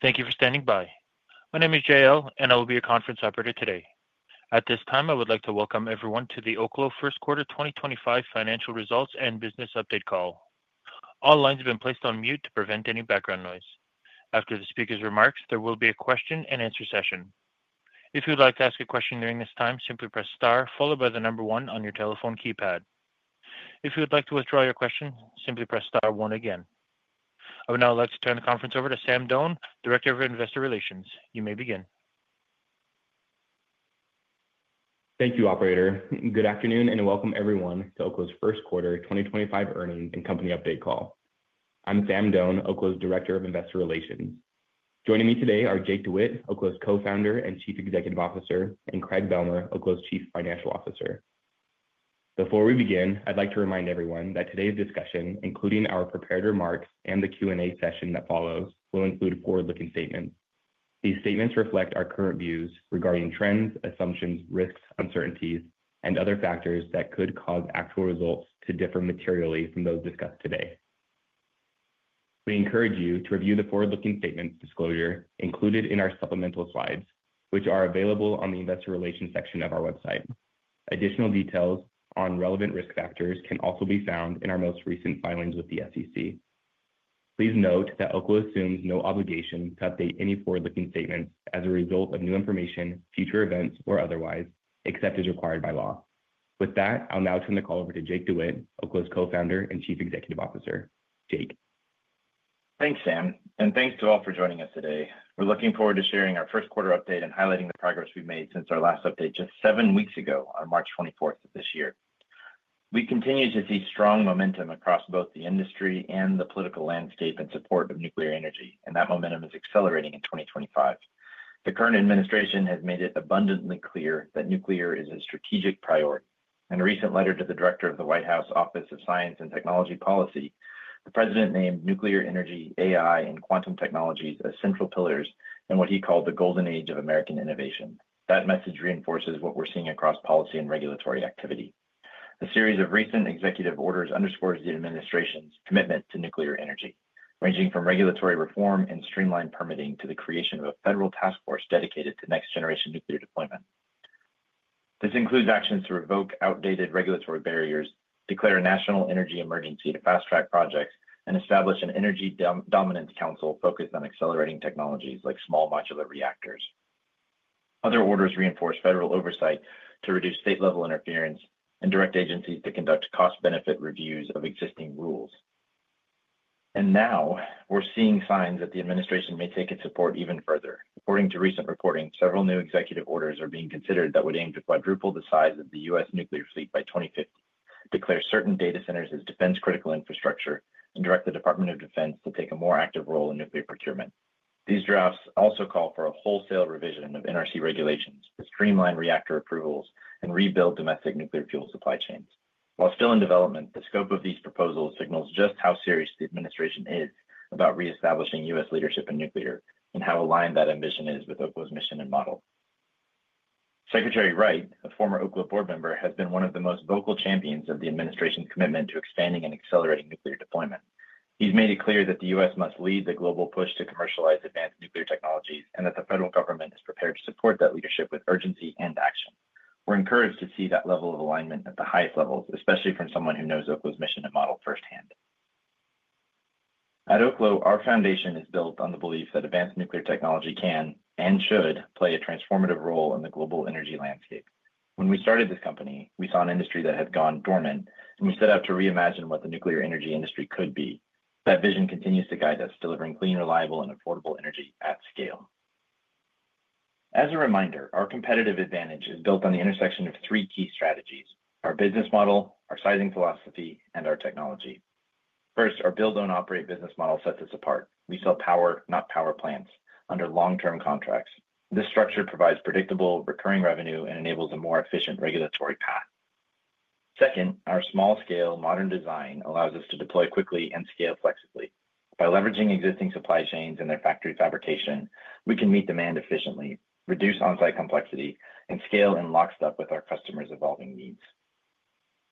Thank you for standing by. My name is JL, and I will be your conference operator today. At this time, I would like to welcome everyone to the Oklo First Quarter 2025 Financial Results and Business Update Call. All lines have been placed on mute to prevent any background noise. After the speaker's remarks, there will be a question-and-answer session. If you would like to ask a question during this time, simply press star followed by the number one on your telephone keypad. If you would like to withdraw your question, simply press star one again. I would now like to turn the conference over to Sam Doane, Director of Investor Relations. You may begin. Thank you, Operator. Good afternoon and welcome everyone to Oklo's First Quarter 2025 Earnings and Company Update call. I'm Sam Doane, Oklo's Director of Investor Relations. Joining me today are Jake DeWitte, Oklo's Co-Founder and Chief Executive Officer, and Craig Bealmear, Oklo's Chief Financial Officer. Before we begin, I'd like to remind everyone that today's discussion, including our prepared remarks and the Q&A session that follows, will include forward-looking statements. These statements reflect our current views regarding trends, assumptions, risks, uncertainties, and other factors that could cause actual results to differ materially from those discussed today. We encourage you to review the forward-looking statements disclosure included in our supplemental slides, which are available on the Investor Relations section of our website. Additional details on relevant risk factors can also be found in our most recent filings with the SEC. Please note that Oklo assumes no obligation to update any forward-looking statements as a result of new information, future events, or otherwise, except as required by law. With that, I'll now turn the call over to Jake DeWitte, Oklo's Co-Founder and Chief Executive Officer. Jake? Thanks, Sam, and thanks to all for joining us today. We're looking forward to sharing our first quarter update and highlighting the progress we've made since our last update just seven weeks ago, on March 24 of this year. We continue to see strong momentum across both the industry and the political landscape in support of nuclear energy, and that momentum is accelerating in 2025. The current administration has made it abundantly clear that nuclear is a strategic priority. In a recent letter to the Director of the White House Office of Science and Technology Policy, the President named nuclear energy, AI, and quantum technologies as central pillars in what he called the golden age of American innovation. That message reinforces what we're seeing across policy and regulatory activity. A series of recent executive orders underscores the administration's commitment to nuclear energy, ranging from regulatory reform and streamlined permitting to the creation of a federal task force dedicated to next-generation nuclear deployment. This includes actions to revoke outdated regulatory barriers, declare a national energy emergency to fast-track projects, and establish an energy dominance council focused on accelerating technologies like small modular reactors. Other orders reinforce federal oversight to reduce state-level interference and direct agencies to conduct cost-benefit reviews of existing rules. We are now seeing signs that the administration may take its support even further. According to recent reporting, several new executive orders are being considered that would aim to quadruple the size of the U.S. nuclear fleet by 2050, declare certain data centers as defense-critical infrastructure, and direct the Department of Defense to take a more active role in nuclear procurement. These drafts also call for a wholesale revision of NRC regulations to streamline reactor approvals and rebuild domestic nuclear fuel supply chains. While still in development, the scope of these proposals signals just how serious the administration is about reestablishing U.S. leadership in nuclear and how aligned that ambition is with Oklo's mission and model. Secretary Wright, a former Oklo Board member, has been one of the most vocal champions of the administration's commitment to expanding and accelerating nuclear deployment. He's made it clear that the U.S. must lead the global push to commercialize advanced nuclear technologies and that the federal government is prepared to support that leadership with urgency and action. We're encouraged to see that level of alignment at the highest levels, especially from someone who knows Oklo's mission and model firsthand. At Oklo, our foundation is built on the belief that advanced nuclear technology can and should play a transformative role in the global energy landscape. When we started this company, we saw an industry that had gone dormant, and we set out to reimagine what the nuclear energy industry could be. That vision continues to guide us, delivering clean, reliable, and affordable energy at scale. As a reminder, our competitive advantage is built on the intersection of three key strategies: our business model, our sizing philosophy, and our technology. First, our build-own-operate business model sets us apart. We sell power, not power plants, under long-term contracts. This structure provides predictable, recurring revenue and enables a more efficient regulatory path. Second, our small-scale, modern design allows us to deploy quickly and scale flexibly. By leveraging existing supply chains and their factory fabrication, we can meet demand efficiently, reduce onsite complexity, and scale in lock step with our customers' evolving needs.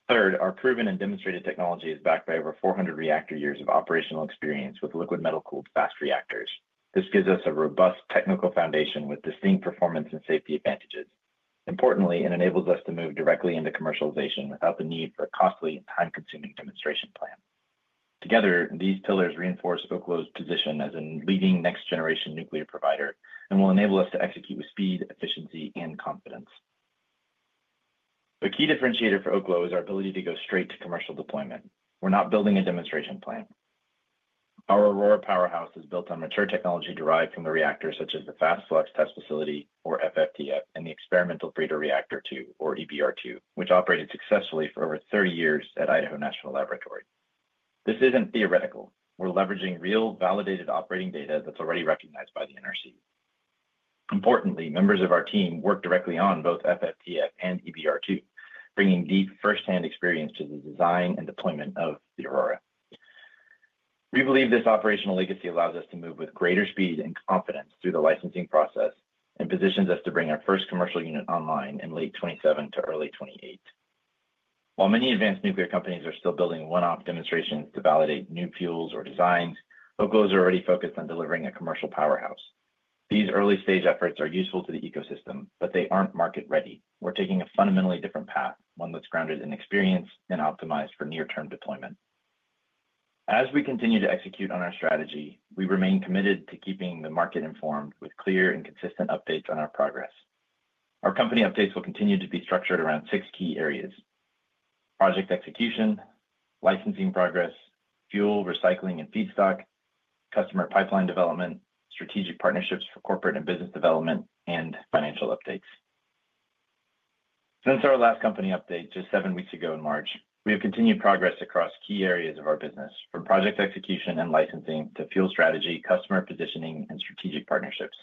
Third, our proven and demonstrated technology is backed by over 400 reactor years of operational experience with liquid metal-cooled fast reactors. This gives us a robust technical foundation with distinct performance and safety advantages. Importantly, it enables us to move directly into commercialization without the need for a costly and time-consuming demonstration plan. Together, these pillars reinforce Oklo's position as a leading next-generation nuclear provider and will enable us to execute with speed, efficiency, and confidence. A key differentiator for Oklo is our ability to go straight to commercial deployment. We're not building a demonstration plant. Our Aurora powerhouse is built on mature technology derived from reactors such as the Fast Flux Test Facility, or FFTF, and the Experimental Breeder Reactor-II, or EBR-II, which operated successfully for over 30 years at Idaho National Laboratory. This isn't theoretical. We're leveraging real, validated operating data that's already recognized by the NRC. Importantly, members of our team worked directly on both FFTF and EBR-II, bringing deep firsthand experience to the design and deployment of the Aurora. We believe this operational legacy allows us to move with greater speed and confidence through the licensing process and positions us to bring our first commercial unit online in late 2027 to early 2028. While many advanced nuclear companies are still building one-off demonstrations to validate new fuels or designs, Oklo is already focused on delivering a commercial powerhouse. These early-stage efforts are useful to the ecosystem, but they aren't market-ready. We're taking a fundamentally different path, one that's grounded in experience and optimized for near-term deployment. As we continue to execute on our strategy, we remain committed to keeping the market informed with clear and consistent updates on our progress. Our company updates will continue to be structured around six key areas: project execution, licensing progress, fuel recycling and feedstock, customer pipeline development, strategic partnerships for corporate and business development, and financial updates. Since our last company update just seven weeks ago in March, we have continued progress across key areas of our business, from project execution and licensing to fuel strategy, customer positioning, and strategic partnerships.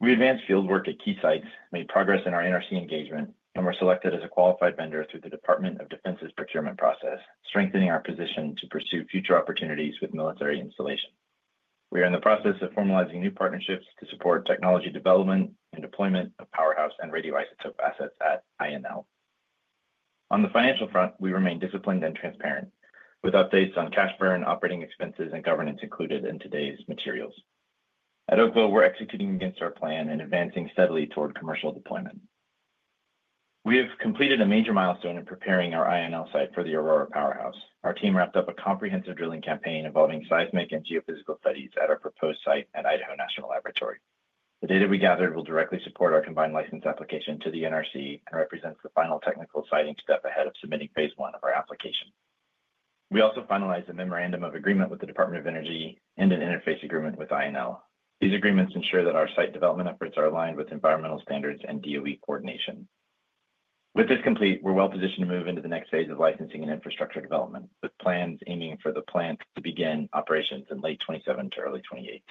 We advanced fieldwork at key sites, made progress in our NRC engagement, and were selected as a qualified vendor through the Department of Defense's procurement process, strengthening our position to pursue future opportunities with military installation. We are in the process of formalizing new partnerships to support technology development and deployment of powerhouse and radioisotope assets at INL. On the financial front, we remain disciplined and transparent, with updates on cash burn, operating expenses, and governance included in today's materials. At Oklo, we're executing against our plan and advancing steadily toward commercial deployment. We have completed a major milestone in preparing our INL site for the Aurora powerhouse. Our team wrapped up a comprehensive drilling campaign involving seismic and geophysical studies at our proposed site at Idaho National Laboratory. The data we gathered will directly support our combined license application to the Nuclear Regulatory Commission and represents the final technical signing step ahead of submitting phase I of our application. We also finalized a memorandum of agreement with the U.S. Department of Energy and an interface agreement with Idaho National Laboratory. These agreements ensure that our site development efforts are aligned with environmental standards and DOE coordination. With this complete, we're well positioned to move into the next phase of licensing and infrastructure development, with plans aiming for the plant to begin operations in late 2027 to early 2028.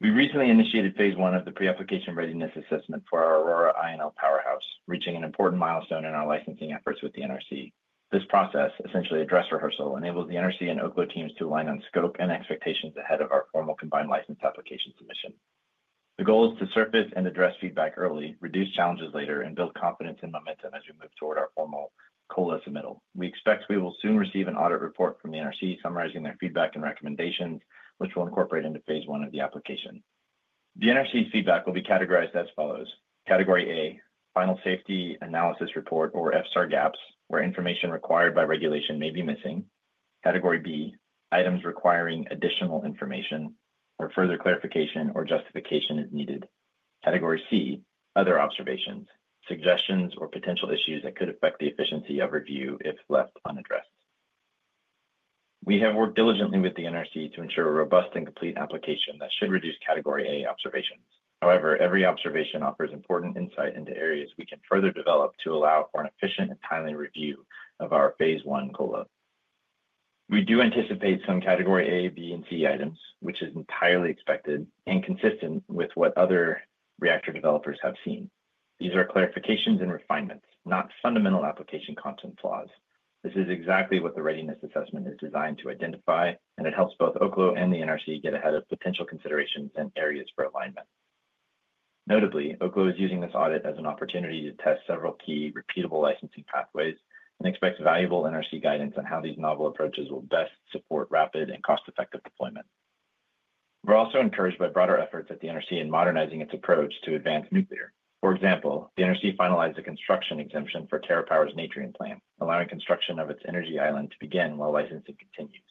We recently initiated phase I of the pre-application readiness assessment for our Aurora INL powerhouse, reaching an important milestone in our licensing efforts with the NRC. This process, essentially a dress rehearsal, enables the NRC and Oklo teams to align on scope and expectations ahead of our formal combined license application submission. The goal is to surface and address feedback early, reduce challenges later, and build confidence and momentum as we move toward our formal COLA submittal. We expect we will soon receive an audit report from the NRC summarizing their feedback and recommendations, which we'll incorporate into phase I of the application. The NRC's feedback will be categorized as follows: Category A, Final Safety Analysis Report or FSAR gaps, where information required by regulation may be missing. Category B, items requiring additional information or further clarification or justification as needed. Category C, other observations, suggestions, or potential issues that could affect the efficiency of review if left unaddressed. We have worked diligently with the NRC to ensure a robust and complete application that should reduce Category A observations. However, every observation offers important insight into areas we can further develop to allow for an efficient and timely review of our phase I COLA. We do anticipate some Category A, B, and C items, which is entirely expected and consistent with what other reactor developers have seen. These are clarifications and refinements, not fundamental application content flaws. This is exactly what the readiness assessment is designed to identify, and it helps both Oklo and the NRC get ahead of potential considerations and areas for alignment. Notably, Oklo is using this audit as an opportunity to test several key repeatable licensing pathways and expects valuable NRC guidance on how these novel approaches will best support rapid and cost-effective deployment. We're also encouraged by broader efforts at the NRC in modernizing its approach to advanced nuclear. For example, the NRC finalized a construction exemption for TerraPower's Natrium plant, allowing construction of its energy island to begin while licensing continues.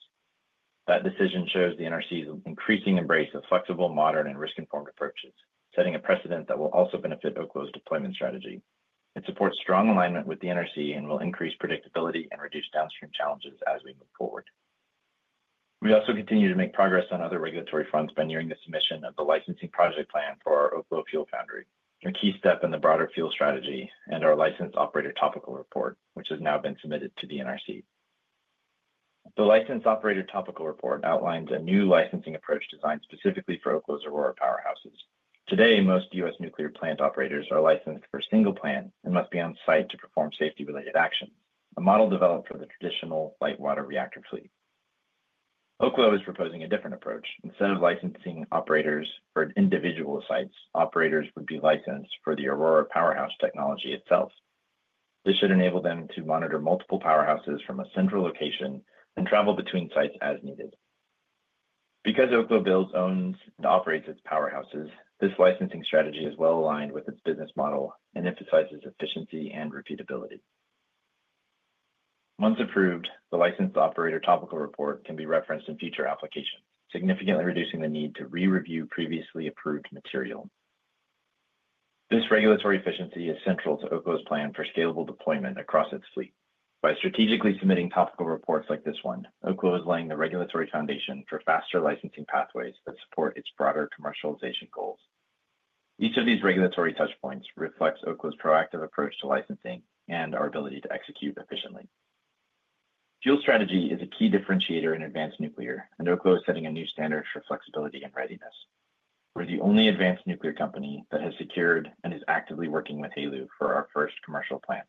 That decision shows the NRC's increasing embrace of flexible, modern, and risk-informed approaches, setting a precedent that will also benefit Oklo's deployment strategy. It supports strong alignment with the NRC and will increase predictability and reduce downstream challenges as we move forward. We also continue to make progress on other regulatory fronts by nearing the submission of the licensing project plan for our Oklo Fuel Foundry, a key step in the broader fuel strategy and our licensed operator topical report, which has now been submitted to the NRC. The licensed operator topical report outlines a new licensing approach designed specifically for Oklo's Aurora powerhouses. Today, most U.S. nuclear plant operators are licensed for single plant and must be on site to perform safety-related actions, a model developed for the traditional light water reactor fleet. Oklo is proposing a different approach. Instead of licensing operators for individual sites, operators would be licensed for the Aurora powerhouse technology itself. This should enable them to monitor multiple powerhouses from a central location and travel between sites as needed. Because Oklo owns and operates its powerhouses, this licensing strategy is well aligned with its business model and emphasizes efficiency and repeatability. Once approved, the licensed operator topical report can be referenced in future applications, significantly reducing the need to re-review previously approved material. This regulatory efficiency is central to Oklo's plan for scalable deployment across its fleet. By strategically submitting topical reports like this one, Oklo is laying the regulatory foundation for faster licensing pathways that support its broader commercialization goals. Each of these regulatory touchpoints reflects Oklo's proactive approach to licensing and our ability to execute efficiently. Fuel strategy is a key differentiator in advanced nuclear, and Oklo is setting a new standard for flexibility and readiness. We're the only advanced nuclear company that has secured and is actively working with HALEU for our first commercial plant.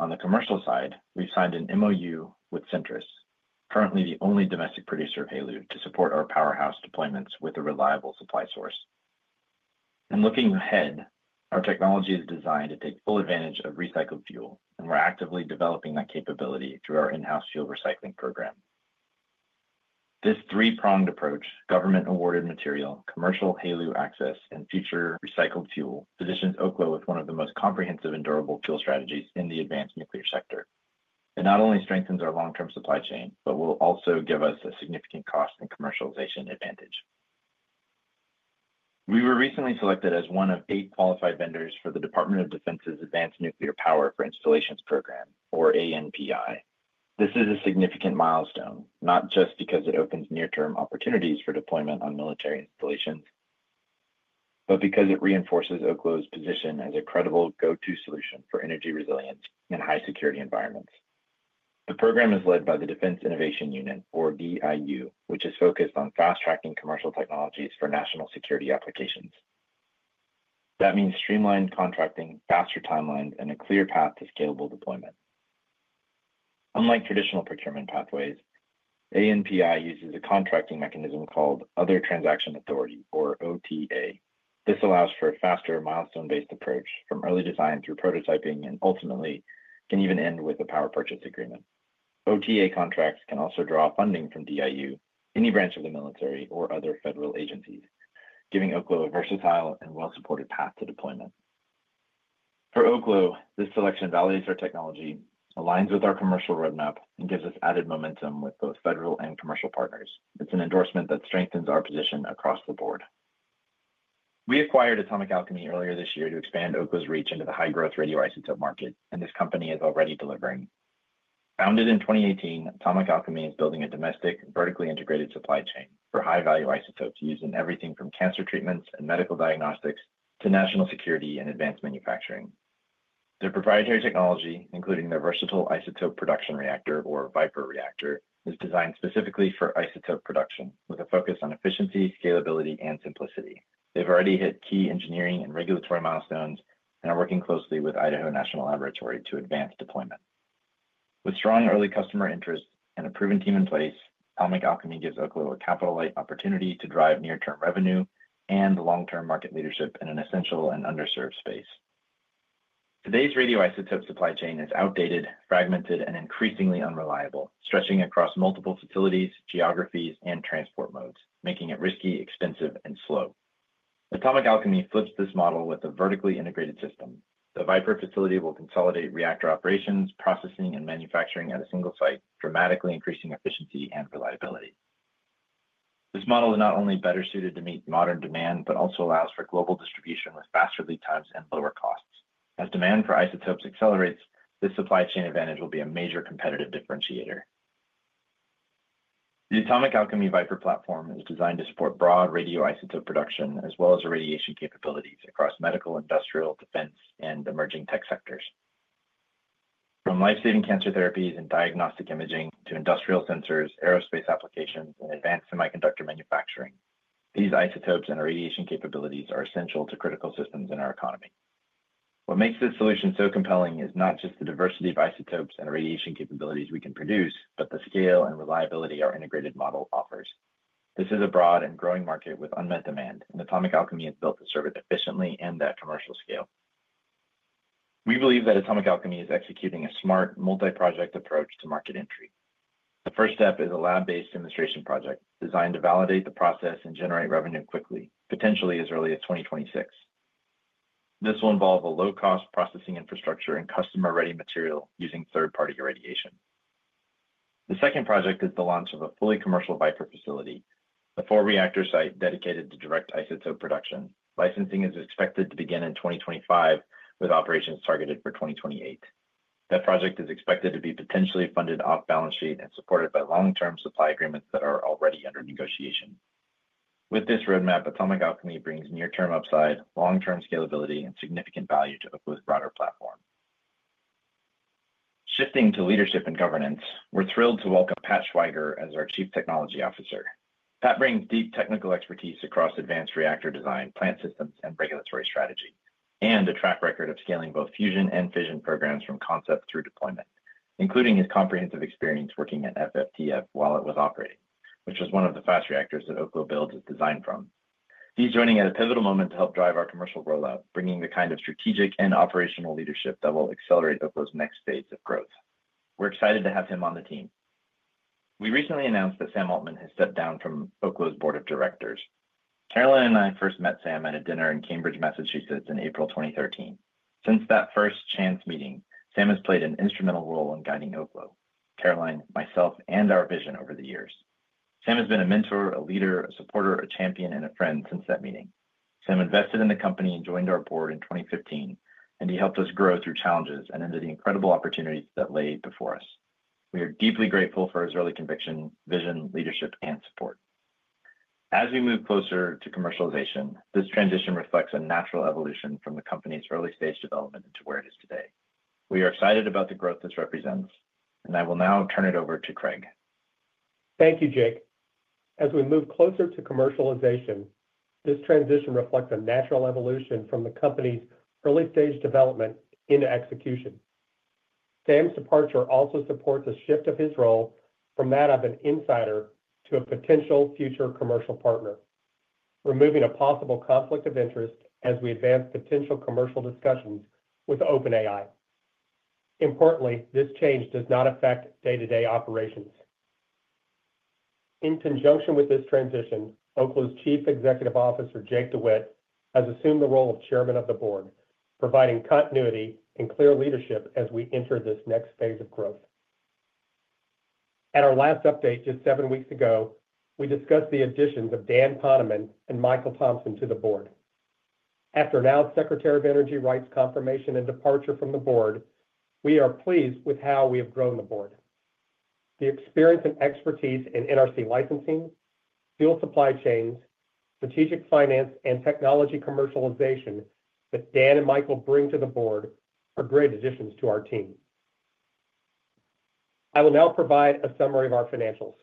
On the commercial side, we've signed an MOU with Centrus, currently the only domestic producer of HALEU, to support our powerhouse deployments with a reliable supply source. In looking ahead, our technology is designed to take full advantage of recycled fuel, and we're actively developing that capability through our in-house fuel recycling program. This three-pronged approach, government-awarded material, commercial HALEU access, and future recycled fuel positions Oklo with one of the most comprehensive and durable fuel strategies in the advanced nuclear sector. It not only strengthens our long-term supply chain, but will also give us a significant cost and commercialization advantage. We were recently selected as one of eight qualified vendors for the Department of Defense's Advanced Nuclear Power for Installations program, or ANPI. This is a significant milestone, not just because it opens near-term opportunities for deployment on military installations, but because it reinforces Oklo's position as a credible go-to solution for energy resilience and high-security environments. The program is led by the Defense Innovation Unit, or DIU, which is focused on fast-tracking commercial technologies for national security applications. That means streamlined contracting, faster timelines, and a clear path to scalable deployment. Unlike traditional procurement pathways, ANPI uses a contracting mechanism called Other Transaction Authority, or OTA. This allows for a faster, milestone-based approach from early design through prototyping and ultimately can even end with a power purchase agreement. OTA contracts can also draw funding from DIU, any branch of the military, or other federal agencies, giving Oklo a versatile and well-supported path to deployment. For Oklo, this selection validates our technology, aligns with our commercial roadmap, and gives us added momentum with both federal and commercial partners. It's an endorsement that strengthens our position across the board. We acquired Atomic Alchemy earlier this year to expand Oklo's reach into the high-growth radioisotope market, and this company is already delivering. Founded in 2018, Atomic Alchemy is building a domestic, vertically integrated supply chain for high-value isotopes used in everything from cancer treatments and medical diagnostics to national security and advanced manufacturing. Their proprietary technology, including their Versatile Isotope Production Reactor, or VIPR reactor, is designed specifically for isotope production, with a focus on efficiency, scalability, and simplicity. They've already hit key engineering and regulatory milestones and are working closely with Idaho National Laboratory to advance deployment. With strong early customer interest and a proven team in place, Atomic Alchemy gives Oklo a capital-light opportunity to drive near-term revenue and long-term market leadership in an essential and underserved space. Today's radioisotope supply chain is outdated, fragmented, and increasingly unreliable, stretching across multiple facilities, geographies, and transport modes, making it risky, expensive, and slow. Atomic Alchemy flips this model with a vertically integrated system. The VIPR facility will consolidate reactor operations, processing, and manufacturing at a single site, dramatically increasing efficiency and reliability. This model is not only better suited to meet modern demand, but also allows for global distribution with faster lead times and lower costs. As demand for isotopes accelerates, this supply chain advantage will be a major competitive differentiator. The Atomic Alchemy VIPR platform is designed to support broad radioisotope production as well as radiation capabilities across medical, industrial, defense, and emerging tech sectors. From lifesaving cancer therapies and diagnostic imaging to industrial sensors, aerospace applications, and advanced semiconductor manufacturing, these isotopes and radiation capabilities are essential to critical systems in our economy. What makes this solution so compelling is not just the diversity of isotopes and radiation capabilities we can produce, but the scale and reliability our integrated model offers. This is a broad and growing market with unmet demand, and Atomic Alchemy has built to serve it efficiently and at commercial scale. We believe that Atomic Alchemy is executing a smart, multi-project approach to market entry. The first step is a lab-based demonstration project designed to validate the process and generate revenue quickly, potentially as early as 2026. This will involve a low-cost processing infrastructure and customer-ready material using third-party irradiation. The second project is the launch of a fully commercial VIPR facility, a four-reactor site dedicated to direct isotope production. Licensing is expected to begin in 2025, with operations targeted for 2028. That project is expected to be potentially funded off-balance sheet and supported by long-term supply agreements that are already under negotiation. With this roadmap, Atomic Alchemy brings near-term upside, long-term scalability, and significant value to Oklo's broader platform. Shifting to leadership and governance, we're thrilled to welcome Pat Schweiger as our Chief Technology Officer. Pat brings deep technical expertise across advanced reactor design, plant systems, and regulatory strategy, and a track record of scaling both fusion and fission programs from concept through deployment, including his comprehensive experience working at FFTF while it was operating, which was one of the fast reactors that Oklo builds is designed from. He's joining at a pivotal moment to help drive our commercial rollout, bringing the kind of strategic and operational leadership that will accelerate Oklo's next phase of growth. We're excited to have him on the team. We recently announced that Sam Altman has stepped down from Oklo's Board of Directors. Caroline and I first met Sam at a dinner in Cambridge, Massachusetts, in April 2013. Since that first chance meeting, Sam has played an instrumental role in guiding Oklo, Caroline, myself, and our vision over the years. Sam has been a mentor, a leader, a supporter, a champion, and a friend since that meeting. Sam invested in the company and joined our Board in 2015, and he helped us grow through challenges and into the incredible opportunities that lay before us. We are deeply grateful for his early conviction, vision, leadership, and support. As we move closer to commercialization, this transition reflects a natural evolution from the company's early-stage development into where it is today. We are excited about the growth this represents, and I will now turn it over to Craig. Thank you, Jake. As we move closer to commercialization, this transition reflects a natural evolution from the company's early-stage development into execution. Sam's departure also supports a shift of his role from that of an insider to a potential future commercial partner, removing a possible conflict of interest as we advance potential commercial discussions with OpenAI. Importantly, this change does not affect day-to-day operations. In conjunction with this transition, Oklo's Chief Executive Officer, Jake DeWitte, has assumed the role of Chairman of the Board, providing continuity and clear leadership as we enter this next phase of growth. At our last update just seven weeks ago, we discussed the additions of Dan Poneman and Michael Thompson to the Board. After an outgoing Secretary of Energy Wright's confirmation and departure from the Board, we are pleased with how we have grown the Board. The experience and expertise in NRC licensing, fuel supply chains, strategic finance, and technology commercialization that Dan and Michael bring to the board are great additions to our team. I will now provide a summary of our financials.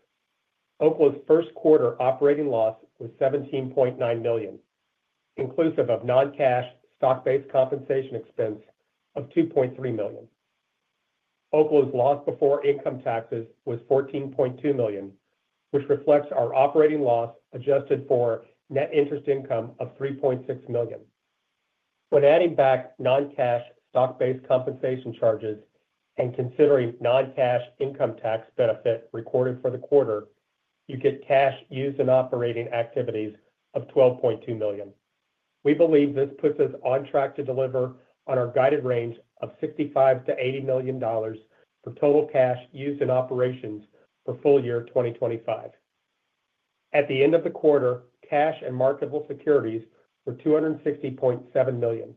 Oklo's first quarter operating loss was $17.9 million, inclusive of non-cash stock-based compensation expense of $2.3 million. Oklo's loss before income taxes was $14.2 million, which reflects our operating loss adjusted for net interest income of $3.6 million. When adding back non-cash stock-based compensation charges and considering non-cash income tax benefit recorded for the quarter, you get cash used in operating activities of $12.2 million. We believe this puts us on track to deliver on our guided range of $65 million-$80 million for total cash used in operations for full year 2025. At the end of the quarter, cash and marketable securities were $260.7 million.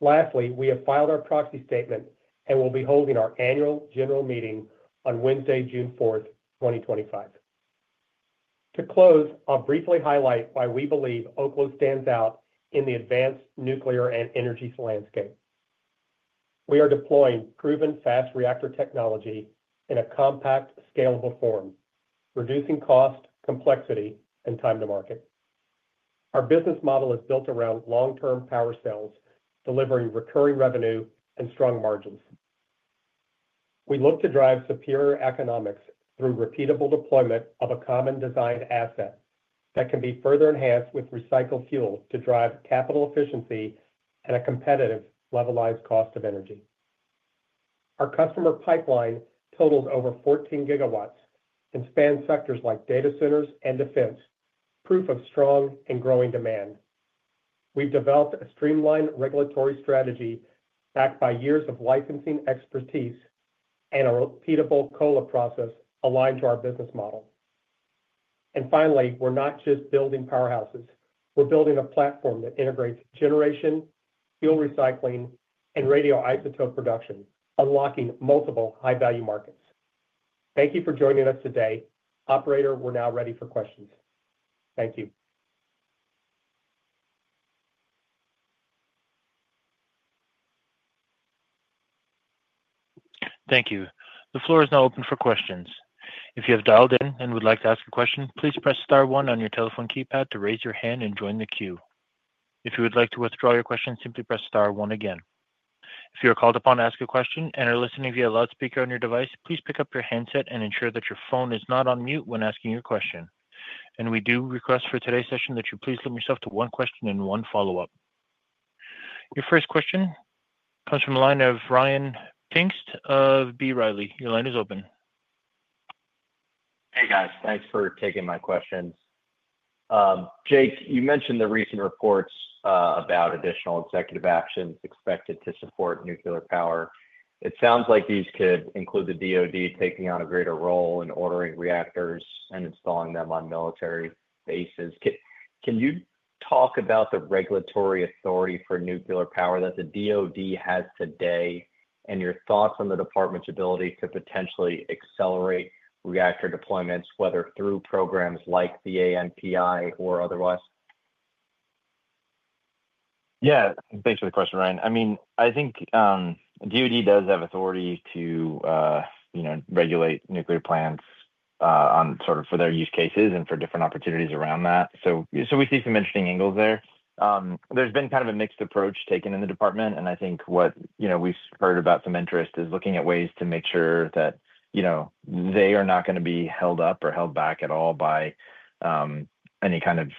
Lastly, we have filed our proxy statement and will be holding our Annual General Meeting on Wednesday, June 4, 2025. To close, I'll briefly highlight why we believe Oklo stands out in the advanced nuclear and energy landscape. We are deploying proven fast reactor technology in a compact, scalable form, reducing cost, complexity, and time to market. Our business model is built around long-term power cells, delivering recurring revenue and strong margins. We look to drive superior economics through repeatable deployment of a common designed asset that can be further enhanced with recycled fuel to drive capital efficiency and a competitive levelized cost of energy. Our customer pipeline totals over 14 GW and spans sectors like data centers and defense, proof of strong and growing demand. We have developed a streamlined regulatory strategy backed by years of licensing expertise and a repeatable COLA process aligned to our business model. Finally, we are not just building powerhouses. We are building a platform that integrates generation, fuel recycling, and radioisotope production, unlocking multiple high-value markets. Thank you for joining us today. Operator, we are now ready for questions. Thank you. The floor is now open for questions. If you have dialed in and would like to ask a question, please press star one on your telephone keypad to raise your hand and join the queue. If you would like to withdraw your question, simply press star one again. If you are called upon to ask a question and are listening via loudspeaker on your device, please pick up your handset and ensure that your phone is not on mute when asking your question. We do request for today's session that you please limit yourself to one question and one follow-up. Your first question comes from the line of Ryan Pfingst of B. Riley. Your line is open. Hey, guys. Thanks for taking my questions. Jake, you mentioned the recent reports about additional executive actions expected to support nuclear power. It sounds like these could include the DOD taking on a greater role in ordering reactors and installing them on military bases. Can you talk about the regulatory authority for nuclear power that the DOD has today and your thoughts on the department's ability to potentially accelerate reactor deployments, whether through programs like the ANPI or otherwise? Yeah. Thanks for the question, Ryan. I mean, I think DOD does have authority to regulate nuclear plants sort of for their use cases and for different opportunities around that. We see some interesting angles there. There's been kind of a mixed approach taken in the department, and I think what we've heard about some interest is looking at ways to make sure that they are not going to be held up or held back at all by any kind of,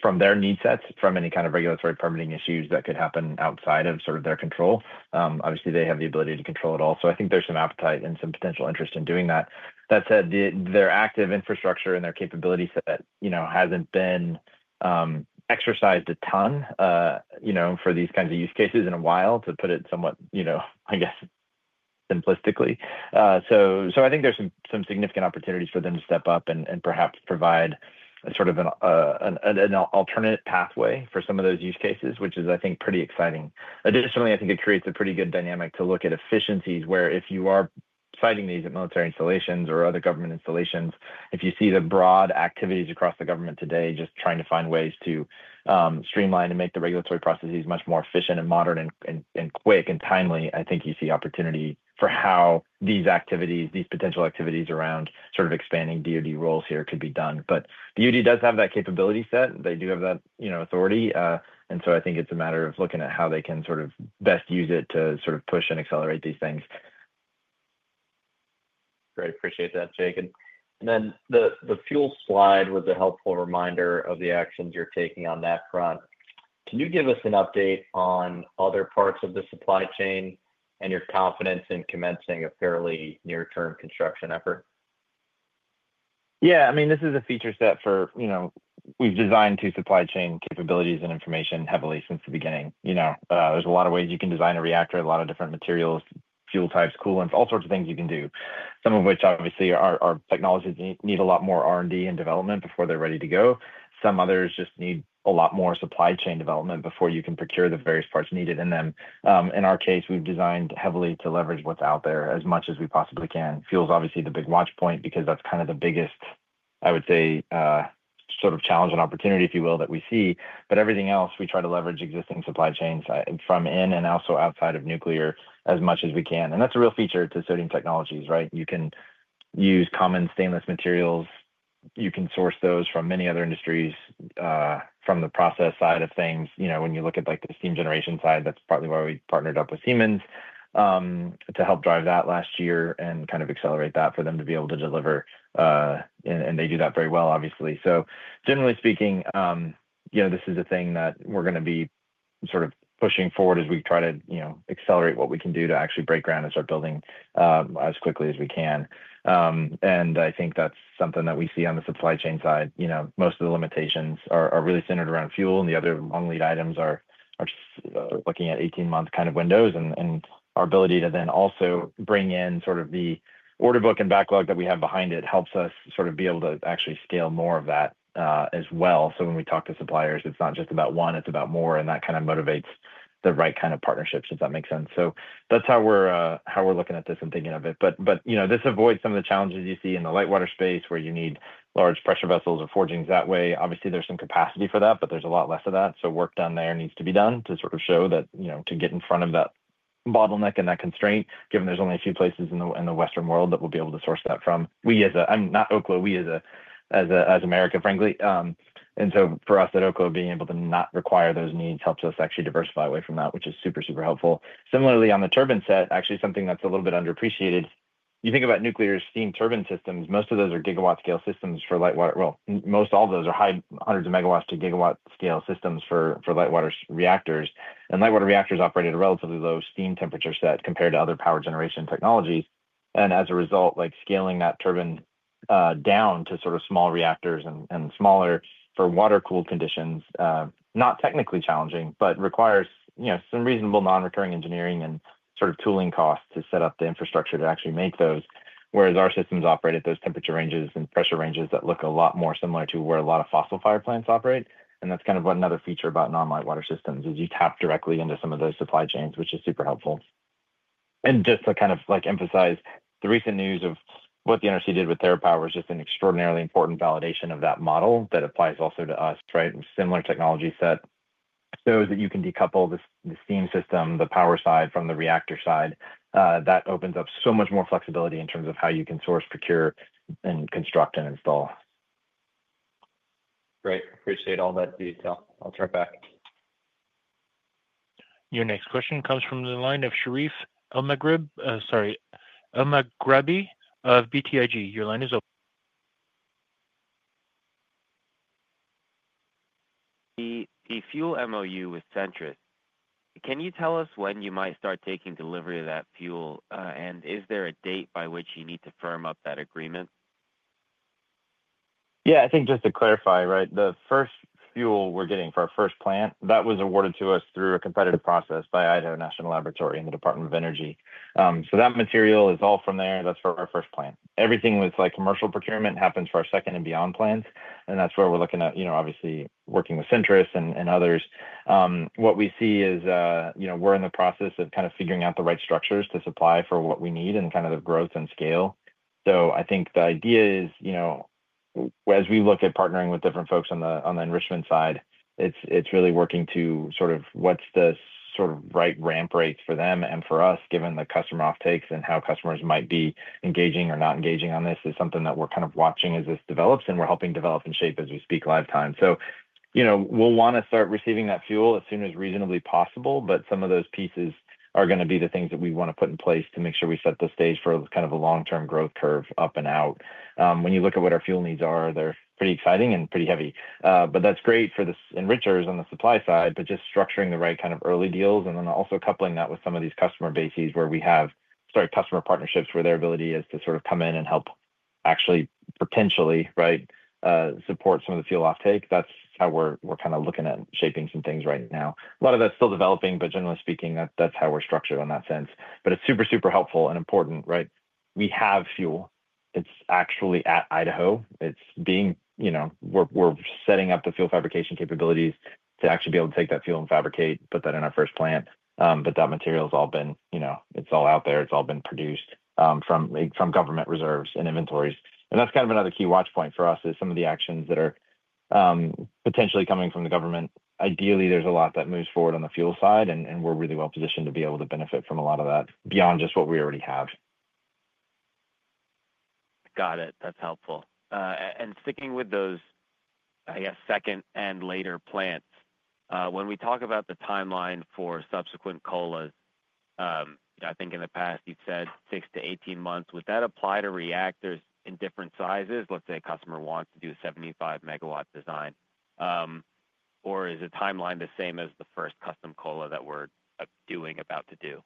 from their needs sets, from any kind of regulatory permitting issues that could happen outside of sort of their control. Obviously, they have the ability to control it all. I think there's some appetite and some potential interest in doing that. That said, their active infrastructure and their capability set has not been exercised a ton for these kinds of use cases in a while, to put it somewhat, I guess, simplistically. I think there are some significant opportunities for them to step up and perhaps provide sort of an alternate pathway for some of those use cases, which is, I think, pretty exciting. Additionally, I think it creates a pretty good dynamic to look at efficiencies where if you are siting these at military installations or other government installations, if you see the broad activities across the government today just trying to find ways to streamline and make the regulatory processes much more efficient and modern and quick and timely, I think you see opportunity for how these activities, these potential activities around sort of expanding DOD roles here could be done. DOD does have that capability set. They do have that authority. I think it is a matter of looking at how they can sort of best use it to sort of push and accelerate these things. Great. Appreciate that, Jacob. The fuel slide was a helpful reminder of the actions you are taking on that front. Can you give us an update on other parts of the supply chain and your confidence in commencing a fairly near-term construction effort? Yeah. I mean, this is a feature set for—we have designed two supply chain capabilities and information heavily since the beginning. There are a lot of ways you can design a reactor, a lot of different materials, fuel types, coolants, all sorts of things you can do, some of which, obviously, our technologies need a lot more R&D and development before they are ready to go. Some others just need a lot more supply chain development before you can procure the various parts needed in them. In our case, we've designed heavily to leverage what's out there as much as we possibly can. Fuel is obviously the big watch point because that's kind of the biggest, I would say, sort of challenge and opportunity, if you will, that we see. Everything else, we try to leverage existing supply chains from in and also outside of nuclear as much as we can. That is a real feature to sodium technologies, right? You can use common stainless materials. You can source those from many other industries from the process side of things. When you look at the steam generation side, that's partly why we partnered up with Siemens to help drive that last year and kind of accelerate that for them to be able to deliver. They do that very well, obviously. Generally speaking, this is a thing that we're going to be sort of pushing forward as we try to accelerate what we can do to actually break ground and start building as quickly as we can. I think that's something that we see on the supply chain side. Most of the limitations are really centered around fuel, and the other long lead items are looking at 18-month kind of windows. Our ability to then also bring in sort of the order book and backlog that we have behind it helps us sort of be able to actually scale more of that as well. When we talk to suppliers, it's not just about one. It's about more. That kind of motivates the right kind of partnerships, if that makes sense. That is how we're looking at this and thinking of it. This avoids some of the challenges you see in the light water space where you need large pressure vessels or forgings that way. Obviously, there's some capacity for that, but there's a lot less of that. Work done there needs to be done to sort of show that to get in front of that bottleneck and that constraint, given there's only a few places in the Western world that we'll be able to source that from. I'm not Oklo as America, frankly. For us at Oklo, being able to not require those needs helps us actually diversify away from that, which is super, super helpful. Similarly, on the turbine set, actually something that's a little bit underappreciated. You think about nuclear steam turbine systems. Most of those are gigawatt-scale systems for light water. Most all of those are hundreds of megawatts to gigawatt-scale systems for light water reactors. Light water reactors operate at a relatively low steam temperature set compared to other power generation technologies. As a result, scaling that turbine down to sort of small reactors and smaller for water-cooled conditions is not technically challenging, but requires some reasonable non-recurring engineering and sort of tooling costs to set up the infrastructure to actually make those. Whereas our systems operate at those temperature ranges and pressure ranges that look a lot more similar to where a lot of fossil fire plants operate. That is kind of another feature about non-light water systems, is you tap directly into some of those supply chains, which is super helpful. Just to kind of emphasize, the recent news of what the NRC did with TerraPower is just an extraordinarily important validation of that model that applies also to us, right? Similar technology set. You can decouple the steam system, the power side from the reactor side, that opens up so much more flexibility in terms of how you can source, procure, and construct and install. Great. Appreciate all that detail. I'll turn it back. Your next question comes from the line of Sherif Elmaghrabi. Sorry. Elmaghrabi of BTIG. Your line is open. The fuel MOU with Centrus, can you tell us when you might start taking delivery of that fuel? And is there a date by which you need to firm up that agreement? Yeah. I think just to clarify, right? The first fuel we're getting for our first plant, that was awarded to us through a competitive process by Idaho National Laboratory and the Department of Energy. That material is all from there. That's for our first plant. Everything with commercial procurement happens for our second and beyond plants. That's where we're looking at, obviously, working with Centrus and others. What we see is we're in the process of kind of figuring out the right structures to supply for what we need and kind of the growth and scale. I think the idea is, as we look at partnering with different folks on the enrichment side, it's really working to sort of what's the sort of right ramp rate for them and for us, given the customer offtakes and how customers might be engaging or not engaging on this, is something that we're kind of watching as this develops. We're helping develop and shape as we speak live time. We'll want to start receiving that fuel as soon as reasonably possible. Some of those pieces are going to be the things that we want to put in place to make sure we set the stage for kind of a long-term growth curve up and out. When you look at what our fuel needs are, they're pretty exciting and pretty heavy. That's great for the enrichers on the supply side, but just structuring the right kind of early deals and then also coupling that with some of these customer bases where we have customer partnerships where their ability is to sort of come in and help actually potentially, right, support some of the fuel offtake. That's how we're kind of looking at shaping some things right now. A lot of that's still developing, but generally speaking, that's how we're structured in that sense. It's super, super helpful and important, right? We have fuel. It's actually at Idaho. We're setting up the fuel fabrication capabilities to actually be able to take that fuel and fabricate, put that in our first plant. That material has all been, it's all out there. It's all been produced from government reserves and inventories. That is kind of another key watch point for us, some of the actions that are potentially coming from the government. Ideally, there is a lot that moves forward on the fuel side, and we are really well positioned to be able to benefit from a lot of that beyond just what we already have. Got it. That is helpful. Sticking with those, I guess, second and later plants, when we talk about the timeline for subsequent COLAs, I think in the past, you had said 6-18 months. Would that apply to reactors in different sizes? Let's say a customer wants to do a 75 MW design. Or is the timeline the same as the first custom COLA that we are doing, about to do?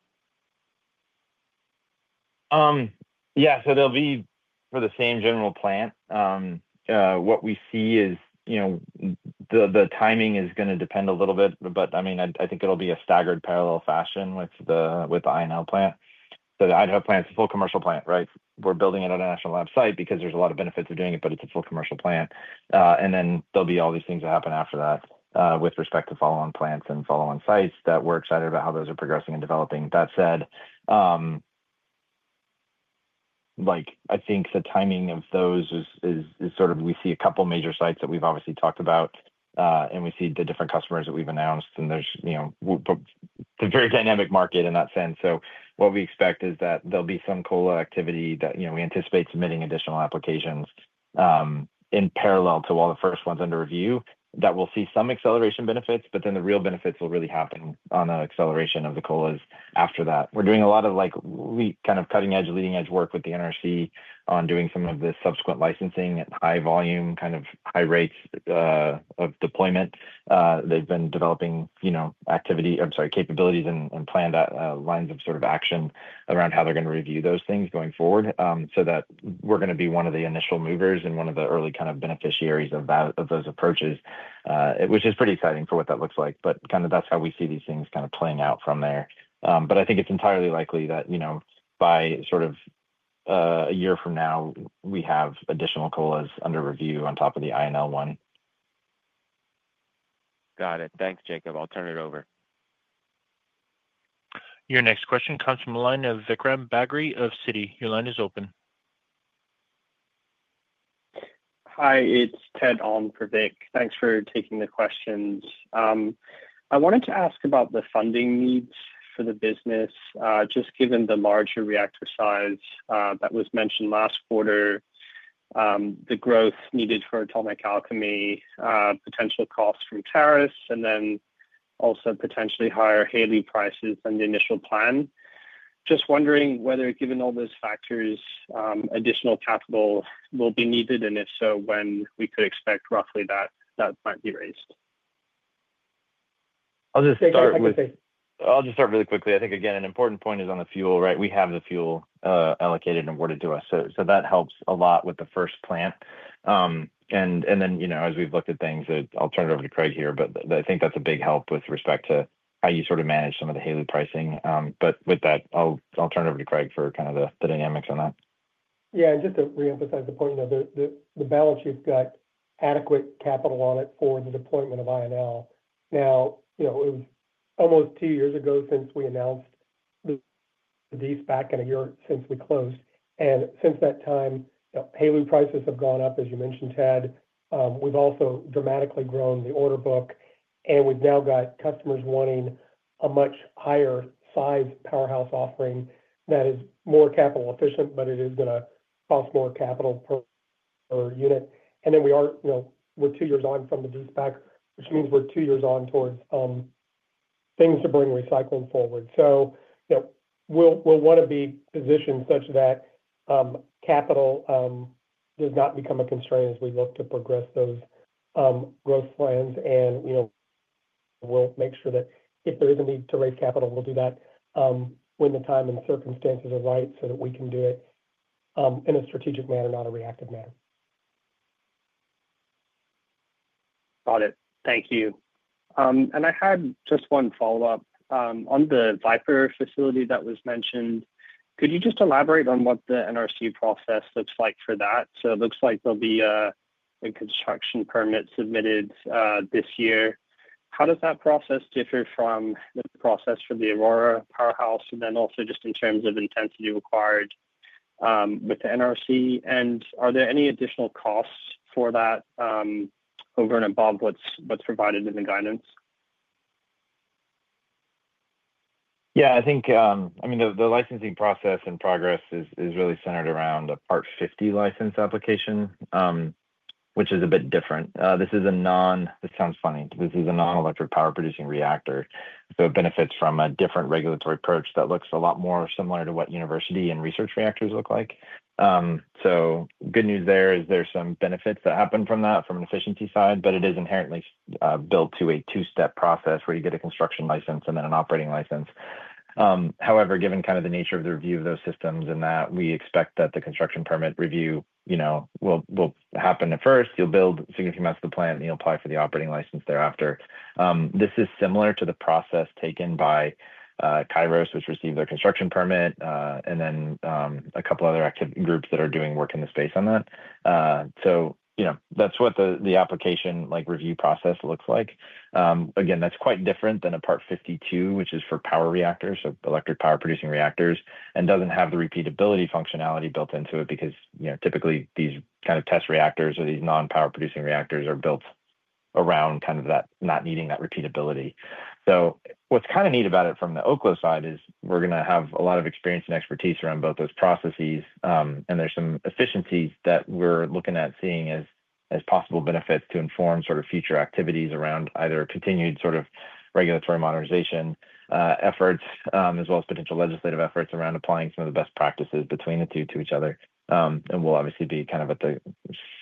Yeah. They will be for the same general plant. What we see is the timing is going to depend a little bit. I mean, I think it'll be a staggered parallel fashion with the INL plant. The Idaho plant is a full commercial plant, right? We're building it on a national lab site because there's a lot of benefits of doing it, but it's a full commercial plant. There'll be all these things that happen after that with respect to follow-on plants and follow-on sites that we're excited about how those are progressing and developing. That said, I think the timing of those is sort of we see a couple of major sites that we've obviously talked about, and we see the different customers that we've announced. There's a very dynamic market in that sense. What we expect is that there'll be some COLA activity that we anticipate submitting additional applications in parallel to all the first ones under review that we'll see some acceleration benefits. But then the real benefits will really happen on the acceleration of the COLAs after that. We're doing a lot of kind of cutting-edge, leading-edge work with the NRC on doing some of the subsequent licensing at high volume, kind of high rates of deployment. They've been developing capabilities and planned lines of sort of action around how they're going to review those things going forward so that we're going to be one of the initial movers and one of the early kind of beneficiaries of those approaches, which is pretty exciting for what that looks like. That's how we see these things kind of playing out from there. I think it's entirely likely that by sort of a year from now, we have additional COLAs under review on top of the INL one. Got it. Thanks, Jacob. I'll turn it over. Your next question comes from the line of Vikram Baghri of Citi. Your line is open. Hi. It's Ted on for Vik. Thanks for taking the questions. I wanted to ask about the funding needs for the business. Just given the larger reactor size that was mentioned last quarter, the growth needed for Atomic Alchemy, potential costs from tariffs, and then also potentially higher HALEU prices than the initial plan. Just wondering whether, given all those factors, additional capital will be needed, and if so, when we could expect roughly that might be raised? I'll just start really quickly. I think, again, an important point is on the fuel, right? We have the fuel allocated and awarded to us. So that helps a lot with the first plant. And then as we've looked at things, I'll turn it over to Craig here. I think that's a big help with respect to how you sort of manage some of the HALEU pricing. With that, I'll turn it over to Craig for kind of the dynamics on that. Yeah. Just to reemphasize the point, the balance sheet's got adequate capital on it for the deployment of INL. It was almost two years ago since we announced the [de-SPAC], and a year since we closed. Since that time, HALEU prices have gone up, as you mentioned, Ted. We've also dramatically grown the order book. We've now got customers wanting a much higher-sized powerhouse offering that is more capital efficient, but it is going to cost more capital per unit. We're two years on from the [de-SPAC], which means we're two years on towards things to bring recycling forward. We want to be positioned such that capital does not become a constraint as we look to progress those growth plans. We will make sure that if there is a need to raise capital, we will do that when the time and circumstances are right so that we can do it in a strategic manner, not a reactive manner. Got it. Thank you. I had just one follow-up. On the VIPR facility that was mentioned, could you just elaborate on what the NRC process looks like for that? It looks like there will be a construction permit submitted this year. How does that process differ from the pocess for the Aurora powerhouse? Also, just in terms of intensity required with the NRC, are there any additional costs for that over and above what is provided in the guidance? Yeah. I mean, the licensing process and progress is really centered around a Part 50 license application, which is a bit different. This is a non—this sounds funny. This is a non-electric power-producing reactor. It benefits from a different regulatory approach that looks a lot more similar to what university and research reactors look like. Good news there is there's some benefits that happen from that from an efficiency side, but it is inherently built to a two-step process where you get a construction license and then an operating license. However, given kind of the nature of the review of those systems and that, we expect that the construction permit review will happen at first. You'll build significant amounts of the plant, and you'll apply for the operating license thereafter. This is similar to the process taken by Kairos, which received their construction permit, and then a couple of other groups that are doing work in the space on that. That is what the application review process looks like. Again, that is quite different than a Part 52, which is for power reactors, so electric power-producing reactors, and does not have the repeatability functionality built into it because typically these kind of test reactors or these non-power-producing reactors are built around kind of that not needing that repeatability. What is kind of neat about it from the Oklo side is we are going to have a lot of experience and expertise around both those processes. There are some efficiencies that we're looking at seeing as possible benefits to inform sort of future activities around either continued sort of regulatory modernization efforts as well as potential legislative efforts around applying some of the best practices between the two to each other. We will obviously be kind of at the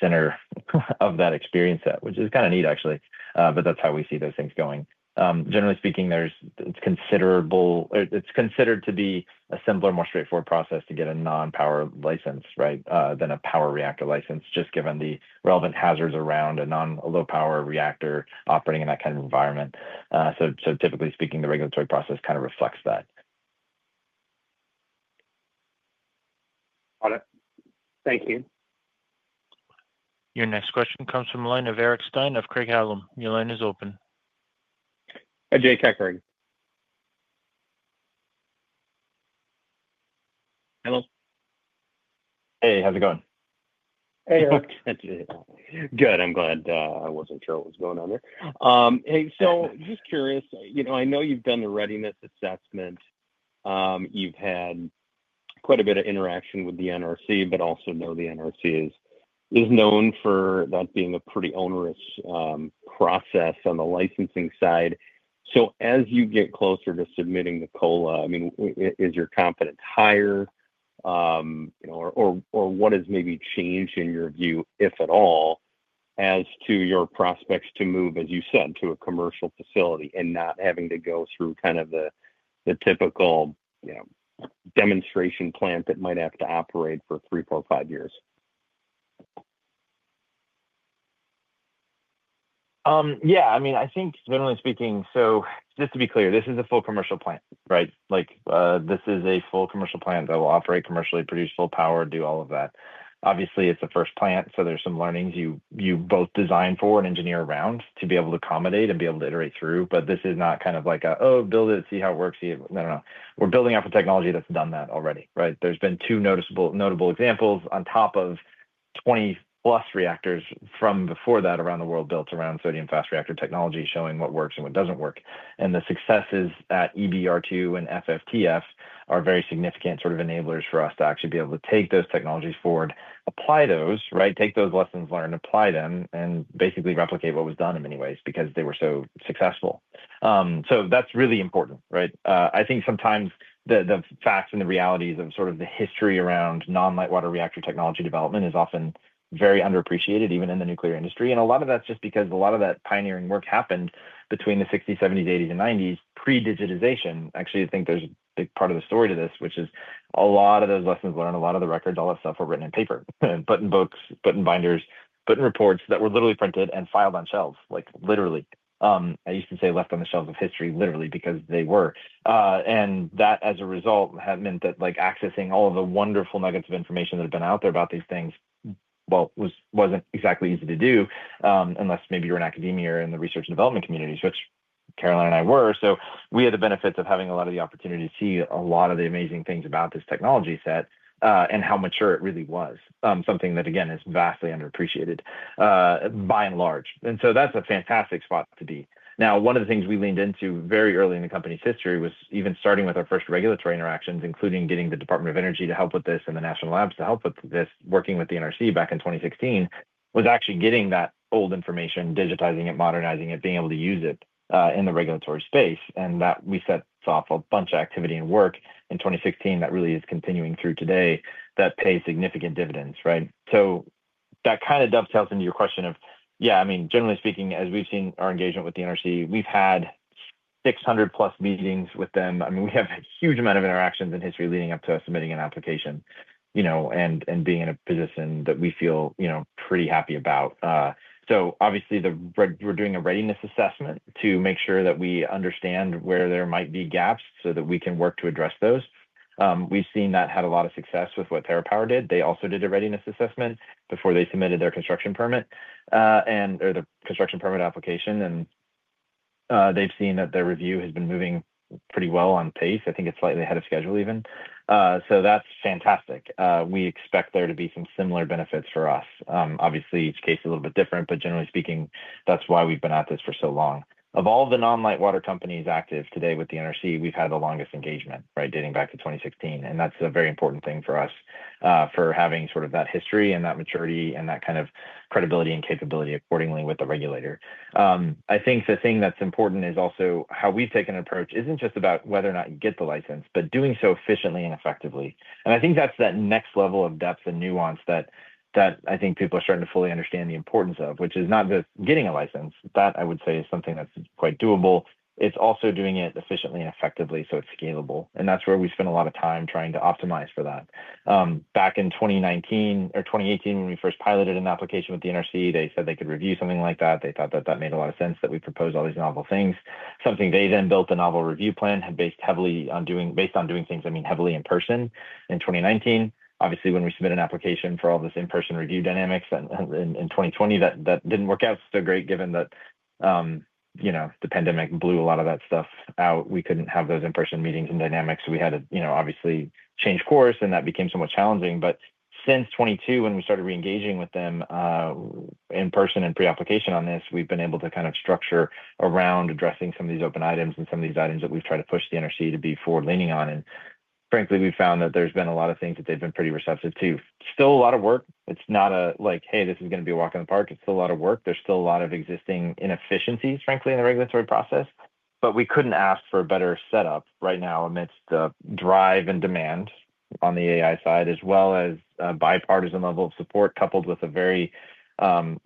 center of that experience set, which is kind of neat, actually. That is how we see those things going. Generally speaking, it is considered to be a simpler, more straightforward process to get a non-power license, right, than a power reactor license, just given the relevant hazards around a non-low-power reactor operating in that kind of environment. Typically speaking, the regulatory process kind of reflects that. Got it. Thank you. Your next question comes from the line of Eric Stine of Craig-Hallum. Your line is open. Hey, Jake, hi Craig. Hello? Hey. How's it going? Hey Eric. Good. I'm glad I wasn't sure what was going on there. Hey. Just curious, I know you've done the readiness assessment. You've had quite a bit of interaction with the NRC, but I also know the NRC is known for that being a pretty onerous process on the licensing side. As you get closer to submitting the COLA, I mean, is your confidence higher? Or what has maybe changed in your view, if at all, as to your prospects to move, as you said, to a commercial facility and not having to go through kind of the typical demonstration plant that might have to operate for three, four, five years? Yeah. I mean, I think generally speaking, just to be clear, this is a full commercial plant, right? This is a full commercial plant that will operate commercially, produce full power, do all of that. Obviously, it's a first plant, so there's some learnings you both design for and engineer around to be able to accommodate and be able to iterate through. This is not kind of like a, "Oh, build it, see how it works." No, no, no. We're building off of technology that's done that already, right? There's been two notable examples on top of 20+ reactors from before that around the world built around sodium fast reactor technology showing what works and what doesn't work. The successes at EBR-II and FFTF are very significant sort of enablers for us to actually be able to take those technologies forward, apply those, right, take those lessons learned, apply them, and basically replicate what was done in many ways because they were so successful. That's really important, right? I think sometimes the facts and the realities of sort of the history around non-light water reactor technology development is often very underappreciated, even in the nuclear industry. A lot of that's just because a lot of that pioneering work happened between the 1960s, 1970s, 1980s, and 1990s. Pre-digitization, actually, I think there's a big part of the story to this, which is a lot of those lessons learned, a lot of the records, all that stuff were written in paper, put in books, put in binders, put in reports that were literally printed and filed on shelves, literally. I used to say left on the shelves of history, literally, because they were. That, as a result, meant that accessing all of the wonderful nuggets of information that had been out there about these things was not exactly easy to do unless maybe you were in Academia or in the Research & Development communities, which Caroline and I were. We had the benefits of having a lot of the opportunity to see a lot of the amazing things about this technology set and how mature it really was, something that, again, is vastly underappreciated by and large. That is a fantastic spot to be. Now, one of the things we leaned into very early in the company's history was even starting with our first regulatory interactions, including getting the Department of Energy to help with this and the National Labs to help with this, working with the NRC back in 2016, was actually getting that old information, digitizing it, modernizing it, being able to use it in the regulatory space. That set off a bunch of activity and work in 2016 that really is continuing through today that pays significant dividends, right? That kind of dovetails into your question of, yeah, I mean, generally speaking, as we've seen our engagement with the NRC, we've had 600+ meetings with them. I mean, we have a huge amount of interactions and history leading up to us submitting an application and being in a position that we feel pretty happy about. Obviously, we're doing a readiness assessment to make sure that we understand where there might be gaps so that we can work to address those. We've seen that had a lot of success with what TerraPower did. They also did a readiness assessment before they submitted their construction permit or the construction permit application. They've seen that their review has been moving pretty well on pace. I think it's slightly ahead of schedule even. That's fantastic. We expect there to be some similar benefits for us. Obviously, each case is a little bit different, but generally speaking, that's why we've been at this for so long. Of all the non-light water companies active today with the NRC, we've had the longest engagement, right, dating back to 2016. That is a very important thing for us for having sort of that history and that maturity and that kind of credibility and capability accordingly with the regulator. I think the thing that's important is also how we've taken an approach that isn't just about whether or not you get the license, but doing so efficiently and effectively. I think that's that next level of depth and nuance that I think people are starting to fully understand the importance of, which is not just getting a license. That, I would say, is something that's quite doable. It's also doing it efficiently and effectively so it's scalable. That is where we spend a lot of time trying to optimize for that. Back in 2019 or 2018, when we first piloted an application with the NRC, they said they could review something like that. They thought that that made a lot of sense that we proposed all these novel things. Something they then built a novel review plan based heavily on doing things, I mean, heavily in person in 2019. Obviously, when we submitted an application for all this in-person review dynamics in 2020, that did not work out so great given that the pandemic blew a lot of that stuff out. We could not have those in-person meetings and dynamics. We had to obviously change course, and that became somewhat challenging. Since 2022, when we started reengaging with them in person and pre-application on this, we have been able to kind of structure around addressing some of these open items and some of these items that we have tried to push the NRC to be forward-leaning on. Frankly, we've found that there's been a lot of things that they've been pretty receptive to. Still a lot of work. It's not like, "Hey, this is going to be a walk in the park." It's still a lot of work. There's still a lot of existing inefficiencies, frankly, in the regulatory process. We couldn't ask for a better setup right now amidst the drive and demand on the AI side, as well as a bipartisan level of support coupled with an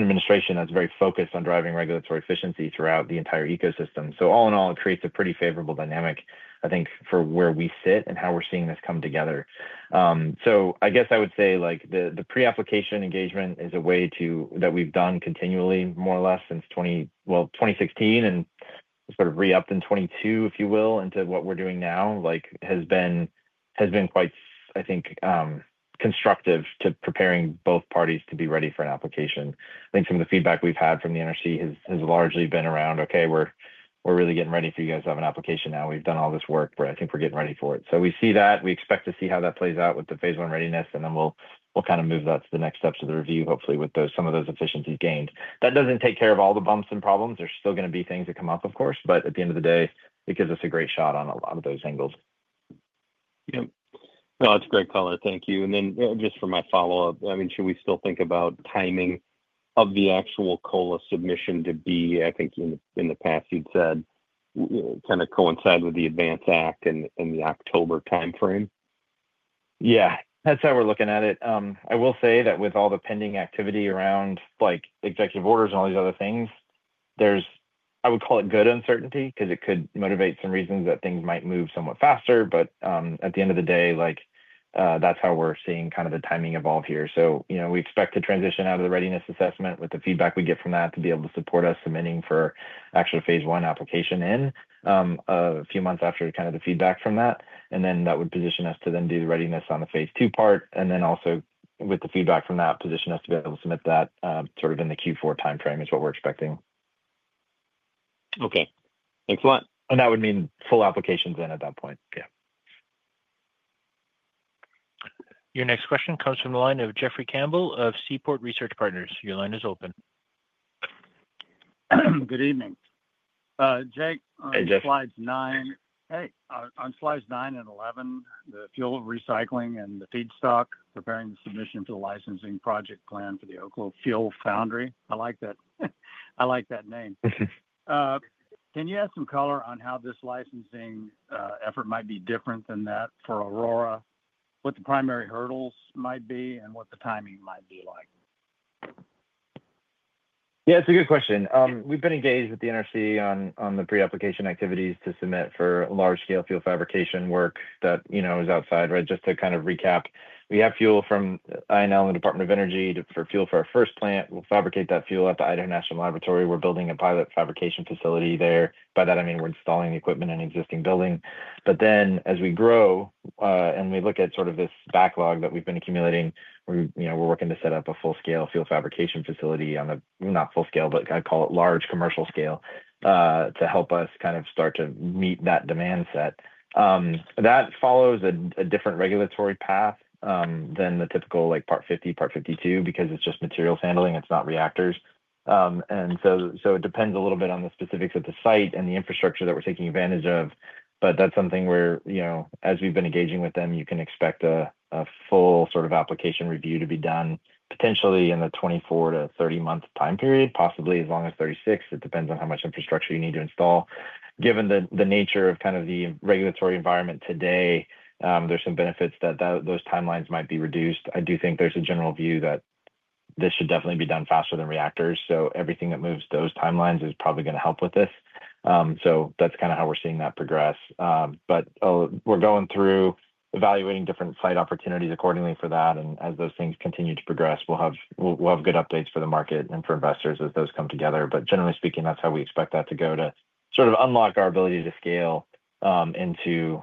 administration that's very focused on driving regulatory efficiency throughout the entire ecosystem. All in all, it creates a pretty favorable dynamic, I think, for where we sit and how we're seeing this come together. I guess I would say the pre-application engagement is a way that we've done continually, more or less, since 2016 and sort of re-upped in 2022, if you will, into what we're doing now, has been quite, I think, constructive to preparing both parties to be ready for an application. I think some of the feedback we've had from the NRC has largely been around, "Okay, we're really getting ready for you guys to have an application now. We've done all this work, but I think we're getting ready for it." We see that. We expect to see how that plays out with the phase one readiness, and then we'll kind of move that to the next steps of the review, hopefully with some of those efficiencies gained. That doesn't take care of all the bumps and problems. There's still going to be things that come up, of course, but at the end of the day, it gives us a great shot on a lot of those angles. Yep. No, that's great color. Thank you. And then just for my follow-up, I mean, should we still think about timing of the actual COLA submission to be, I think in the past, you'd said, kind of coincide with the ADVANCE Act and the October timeframe? Yeah. That's how we're looking at it. I will say that with all the pending activity around executive orders and all these other things, there's, I would call it good uncertainty because it could motivate some reasons that things might move somewhat faster. At the end of the day, that's how we're seeing kind of the timing evolve here. We expect to transition out of the readiness assessment with the feedback we get from that to be able to support us submitting for actual phase I application in a few months after the feedback from that. That would position us to then do the readiness on the phase two part. Also, with the feedback from that, position us to be able to submit that sort of in the Q4 timeframe is what we are expecting. Okay. Excellent. That would mean full applications in at that point. Yeah. Your next question comes from the line of Jeffrey Campbell of Seaport Research Partners. Your line is open. Good evening. Jake, on slides nine, hey, on slides nine and eleven, the fuel recycling and the feedstock, preparing the submission for the licensing project plan for the Oklo Fuel Foundry. I like that name. Can you add some color on how this licensing effort might be different than that for Aurora, what the primary hurdles might be, and what the timing might be like? Yeah, it's a good question. We've been engaged with the NRC on the pre-application activities to submit for large-scale fuel fabrication work that is outside, right? Just to kind of recap, we have fuel from INL and the Department of Energy for fuel for our first plant. We'll fabricate that fuel at the Idaho National Laboratory. We're building a pilot fabrication facility there. By that, I mean we're installing the equipment in an existing building. As we grow and we look at sort of this backlog that we've been accumulating, we're working to set up a full-scale fuel fabrication facility on a, not full-scale, but I'd call it large commercial scale to help us kind of start to meet that demand set. That follows a different regulatory path than the typical Part 50, Part 52, because it's just materials handling. It's not reactors. It depends a little bit on the specifics of the site and the infrastructure that we're taking advantage of. That's something where, as we've been engaging with them, you can expect a full sort of application review to be done potentially in the 24-30 month time period, possibly as long as 36. It depends on how much infrastructure you need to install. Given the nature of kind of the regulatory environment today, there's some benefits that those timelines might be reduced. I do think there's a general view that this should definitely be done faster than reactors. Everything that moves those timelines is probably going to help with this. That's kind of how we're seeing that progress. We're going through evaluating different site opportunities accordingly for that. As those things continue to progress, we'll have good updates for the market and for investors as those come together. Generally speaking, that's how we expect that to go to sort of unlock our ability to scale into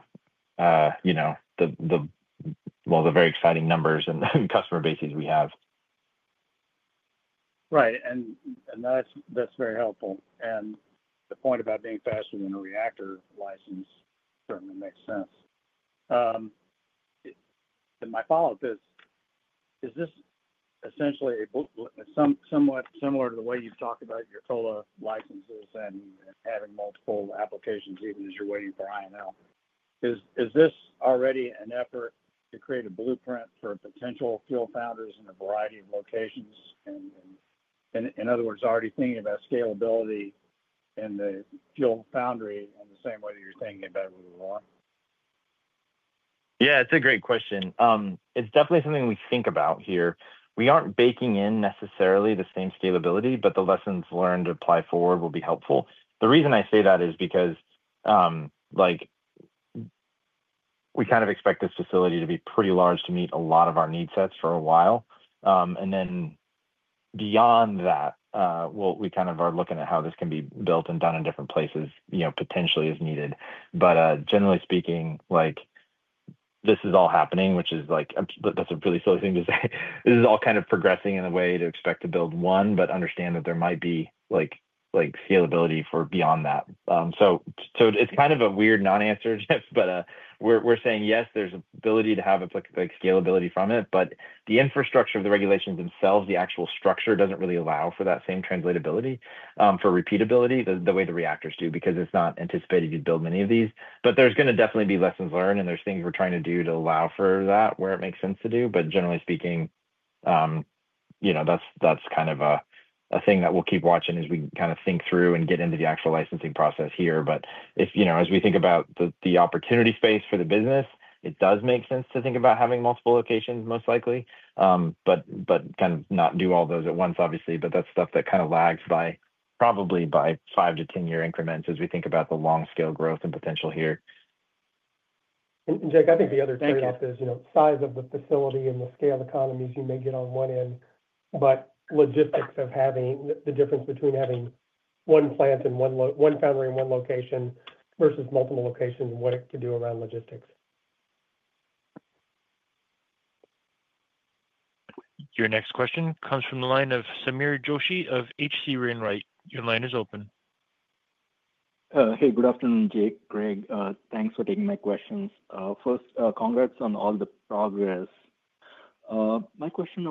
the, well, the very exciting numbers and customer bases we have. Right. That's very helpful. The point about being faster than a reactor license certainly makes sense. My follow-up is, is this essentially somewhat similar to the way you've talked about your COLA licenses and having multiple applications even as you're waiting for INL? Is this already an effort to create a blueprint for potential fuel founders in a variety of locations? In other words, already thinking about scalability in the fuel foundry in the same way that you're thinking about it with Aurora? Yeah, it's a great question. It's definitely something we think about here. We aren't baking in necessarily the same scalability, but the lessons learned to apply forward will be helpful. The reason I say that is because we kind of expect this facility to be pretty large to meet a lot of our needs sets for a while. Beyond that, we kind of are looking at how this can be built and done in different places potentially as needed. Generally speaking, this is all happening, which is a really silly thing to say. This is all kind of progressing in a way to expect to build one, but understand that there might be scalability for beyond that. It is kind of a weird non-answer, Jeff, but we are saying yes, there is ability to have scalability from it. The infrastructure of the regulations themselves, the actual structure, does not really allow for that same translatability for repeatability the way the reactors do because it is not anticipated you would build many of these. There are definitely going to be lessons learned, and there are things we are trying to do to allow for that where it makes sense to do. Generally speaking, that is kind of a thing that we will keep watching as we think through and get into the actual licensing process here. As we think about the opportunity space for the business, it does make sense to think about having multiple locations, most likely, but not do all those at once, obviously. That is stuff that kind of lags probably by 5-10-year increments as we think about the long-scale growth and potential here. Jack, I think the other trade-off is size of the facility and the scale economies you may get on one end, but logistics of having the difference between having one plant and one foundry in one location versus multiple locations and what it could do around logistics. Your next question comes from the line of Sameer Joshi of H.C. Wainwright. Your line is open. Hey, good afternoon, Jake, Craig. Thanks for taking my questions. First, congrats on all the progress. My question is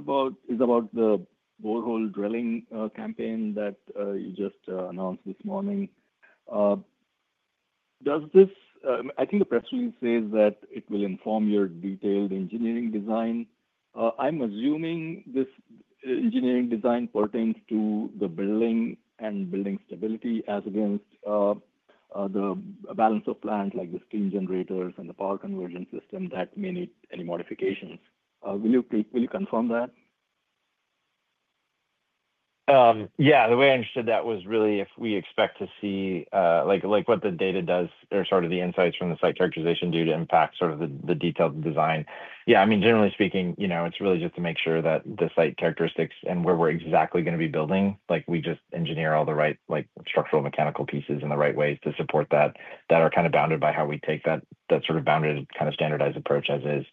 about the borehole drilling campaign that you just announced this morning. I think the press release says that it will inform your detailed engineering design. I'm assuming this engineering design pertains to the building and building stability as against the balance of plants like the steam generators and the power conversion system that may need any modifications. Will you confirm that? Yeah. The way I understood that was really if we expect to see what the data does or sort of the insights from the site characterization do to impact sort of the detailed design. Yeah. I mean, generally speaking, it's really just to make sure that the site characteristics and where we're exactly going to be building, we just engineer all the right structural mechanical pieces in the right ways to support that that are kind of bounded by how we take that sort of bounded kind of standardized approach as is.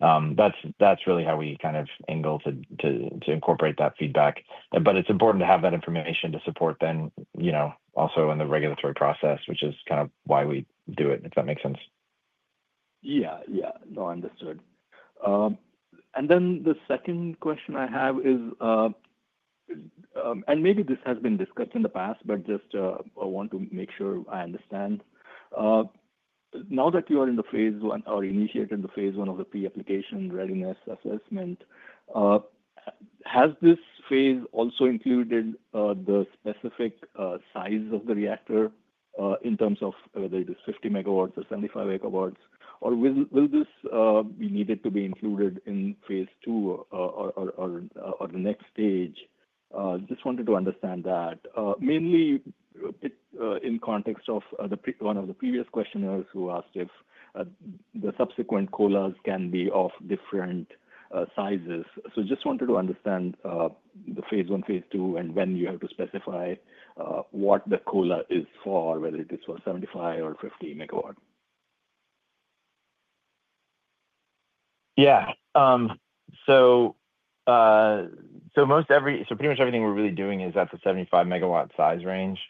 That's really how we kind of angle to incorporate that feedback. It's important to have that information to support then also in the regulatory process, which is kind of why we do it, if that makes sense. Yeah. Yeah. No, understood. The second question I have is, and maybe this has been discussed in the past, but just I want to make sure I understand. Now that you are in the phase one or initiated the phase I of the pre-application readiness assessment, has this phase also included the specific size of the reactor in terms of whether it is 50 MW or 75 MW, or will this be needed to be included in phase II or the next stage? Just wanted to understand that. Mainly in context of one of the previous questioners who asked if the subsequent COLAs can be of different sizes. Just wanted to understand the phase I, phase II, and when you have to specify what the COLA is for, whether it is for 75 MW or 50 MW. Yeah. Pretty much everything we're really doing is at the 75 MW size range.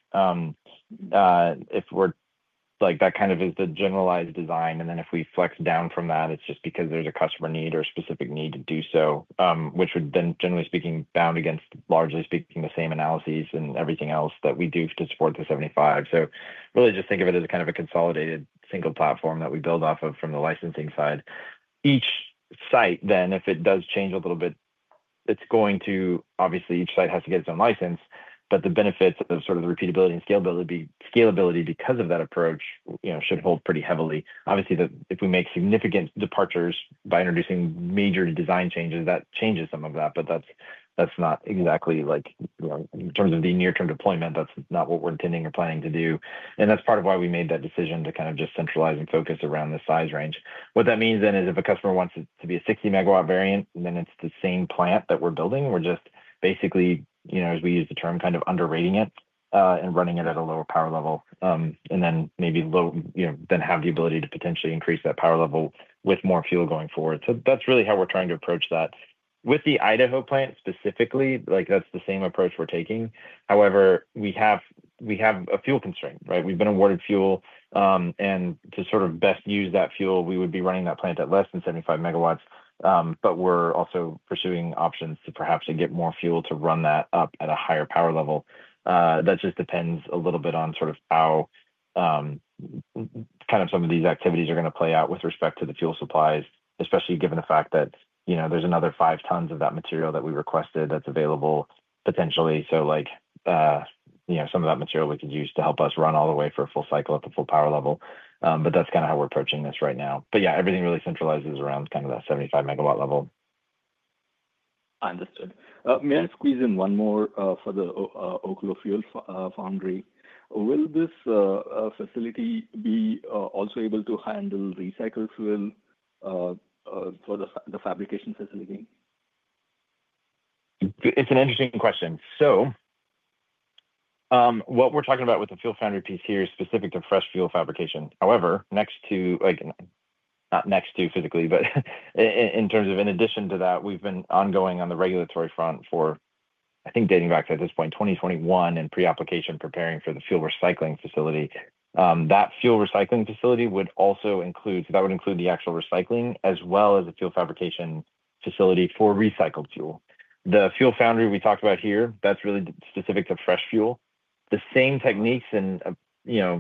That kind of is the generalized design. If we flex down from that, it's just because there's a customer need or specific need to do so, which would then, generally speaking, bound against, largely speaking, the same analyses and everything else that we do to support the 75 MW. Really just think of it as kind of a consolidated single platform that we build off of from the licensing side. Each site then, if it does change a little bit, it's going to, obviously, each site has to get its own license, but the benefits of sort of the repeatability and scalability because of that approach should hold pretty heavily. Obviously, if we make significant departures by introducing major design changes, that changes some of that, but that's not exactly in terms of the near-term deployment, that's not what we're intending or planning to do. That is part of why we made that decision to kind of just centralize and focus around the size range. What that means then is if a customer wants it to be a 60 MW variant, then it is the same plant that we are building. We are just basically, as we use the term, kind of underrating it and running it at a lower power level, and then maybe then have the ability to potentially increase that power level with more fuel going forward. That is really how we are trying to approach that. With the Idaho plant specifically, that is the same approach we are taking. However, we have a fuel constraint, right? We have been awarded fuel, and to sort of best use that fuel, we would be running that plant at less than 75 MW, but we are also pursuing options to perhaps get more fuel to run that up at a higher power level. That just depends a little bit on sort of how kind of some of these activities are going to play out with respect to the fuel supplies, especially given the fact that there's another 5 tons of that material that we requested that's available potentially. Some of that material we could use to help us run all the way for a full cycle at the full power level. That's kind of how we're approaching this right now. Yeah, everything really centralizes around kind of that 75 MW level. Understood. May I squeeze in one more for the Oklo Fuel Foundry? Will this facility be also able to handle recycled fuel for the fabrication facility? It's an interesting question. What we're talking about with the fuel foundry piece here is specific to fresh fuel fabrication. However, next to, not next to physically, but in terms of in addition to that, we've been ongoing on the regulatory front for, I think, dating back to at this point, 2021 and pre-application preparing for the fuel recycling facility. That fuel recycling facility would also include, so that would include the actual recycling as well as the fuel fabrication facility for recycled fuel. The fuel foundry we talked about here, that's really specific to fresh fuel. The same techniques and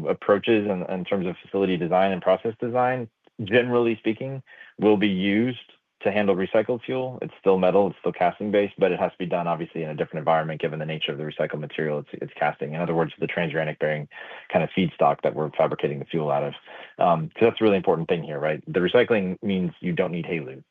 approaches in terms of facility design and process design, generally speaking, will be used to handle recycled fuel. It's still metal. It's still casting-based, but it has to be done, obviously, in a different environment given the nature of the recycled material it's casting. In other words, the transuranic-bearing kind of feedstock that we're fabricating the fuel out of. That's a really important thing here, right? The recycling means you do not need HALEU.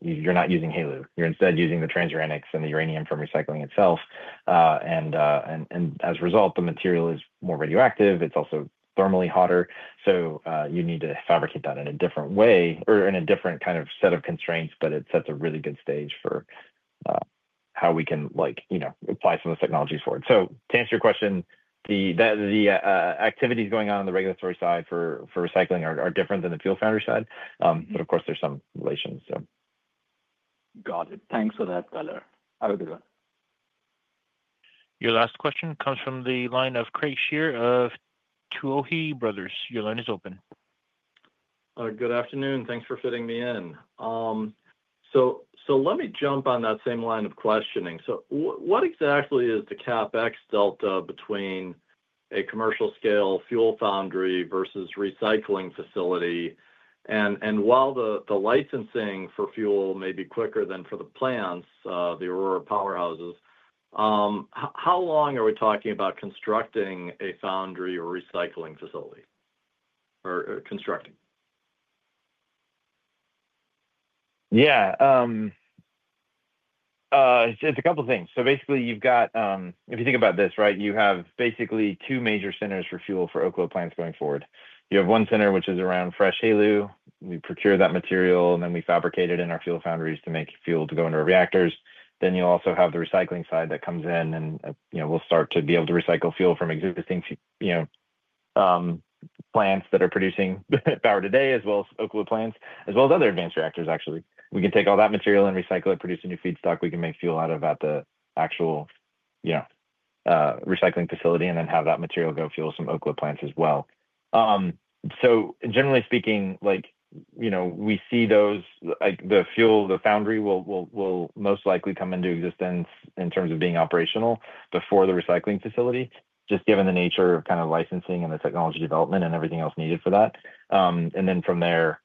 You are not using HALEU. You are instead using the transuranics and the uranium from recycling itself. As a result, the material is more radioactive. It is also thermally hotter. You need to fabricate that in a different way or in a different kind of set of constraints, but it sets a really good stage for how we can apply some of the technologies for it. To answer your question, the activities going on on the regulatory side for recycling are different than the fuel foundry side. Of course, there are some relations. Got it. Thanks for that color. Have a good one. Your last question comes from the line of Craig Shere of Tuohy Brothers. Your line is open. Good afternoon. Thanks for fitting me in. Let me jump on that same line of questioning. What exactly is the CapEx delta between a commercial-scale fuel foundry versus recycling facility? While the licensing for fuel may be quicker than for the plants, the Aurora powerhouses, how long are we talking about constructing a foundry or recycling facility or constructing? Yeah. It's a couple of things. Basically, if you think about this, right, you have basically two major centers for fuel for Oklo plants going forward. You have one center which is around fresh HALEU. We procure that material, and then we fabricate it in our fuel foundries to make fuel to go into our reactors. Then you'll also have the recycling side that comes in, and we'll start to be able to recycle fuel from existing plants that are producing power today as well as Oklo plants, as well as other advanced reactors, actually. We can take all that material and recycle it, produce a new feedstock. We can make fuel out of the actual recycling facility and then have that material go fuel some Oklo plants as well. Generally speaking, we see the fuel, the foundry will most likely come into existence in terms of being operational before the recycling facility, just given the nature of kind of licensing and the technology development and everything else needed for that. From there,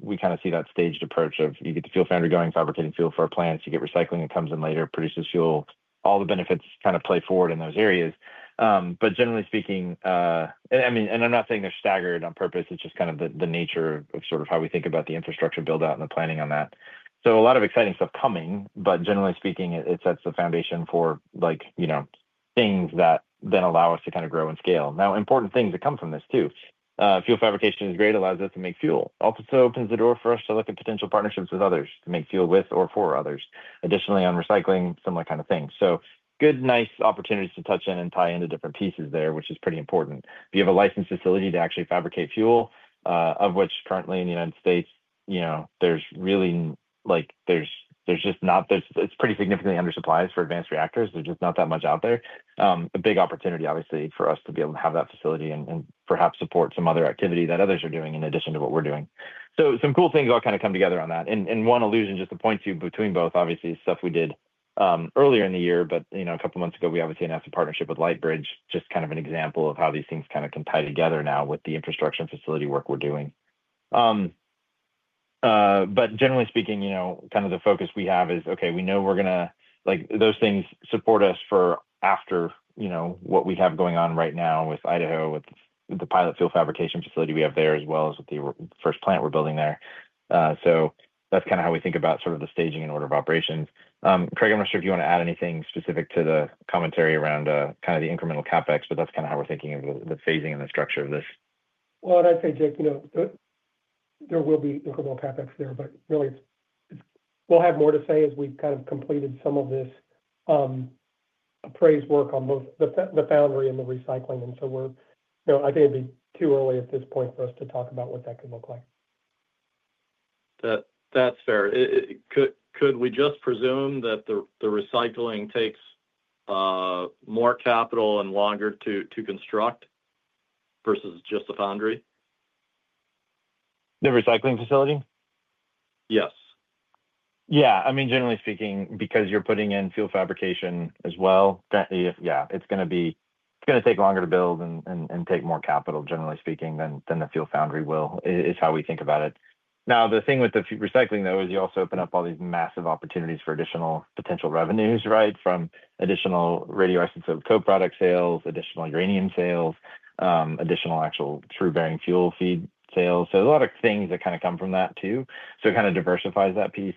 we kind of see that staged approach of you get the fuel foundry going, fabricating fuel for our plants. You get recycling that comes in later, produces fuel. All the benefits kind of play forward in those areas. Generally speaking, I mean, and I'm not saying they're staggered on purpose. It's just kind of the nature of sort of how we think about the infrastructure buildout and the planning on that. A lot of exciting stuff coming, but generally speaking, it sets the foundation for things that then allow us to kind of grow and scale. Now, important things that come from this too. Fuel fabrication is great. It allows us to make fuel. Also opens the door for us to look at potential partnerships with others to make fuel with or for others. Additionally, on recycling, similar kind of things. Good, nice opportunities to touch in and tie into different pieces there, which is pretty important. If you have a licensed facility to actually fabricate fuel, of which currently in the United States, there's really just not, it's pretty significantly undersupplied for advanced reactors. There's just not that much out there. A big opportunity, obviously, for us to be able to have that facility and perhaps support some other activity that others are doing in addition to what we're doing. Some cool things all kind of come together on that. One allusion, just to point to between both, obviously, is stuff we did earlier in the year, but a couple of months ago, we obviously announced a partnership with Lightbridge, just kind of an example of how these things kind of can tie together now with the infrastructure and facility work we're doing. Generally speaking, kind of the focus we have is, okay, we know we're going to those things support us for after what we have going on right now with Idaho, with the pilot fuel fabrication facility we have there, as well as with the first plant we're building there. That's kind of how we think about sort of the staging and order of operations. Craig, I'm not sure if you want to add anything specific to the commentary around kind of the incremental CapEx, but that's kind of how we're thinking of the phasing and the structure of this. I'd say, Jack, there will be incremental CapEx there, but really, we'll have more to say as we've kind of completed some of this appraised work on both the foundry and the recycling. I think it'd be too early at this point for us to talk about what that could look like. That's fair. Could we just presume that the recycling takes more capital and longer to construct versus just the foundry? The recycling facility? Yes. Yeah. I mean, generally speaking, because you're putting in fuel fabrication as well, yeah, it's going to be, it's going to take longer to build and take more capital, generally speaking, than the fuel foundry will, is how we think about it. Now, the thing with the recycling, though, is you also open up all these massive opportunities for additional potential revenues, right, from additional radioactive co-product sales, additional uranium sales, additional actual true bearing fuel feed sales. There are a lot of things that kind of come from that too. It kind of diversifies that piece,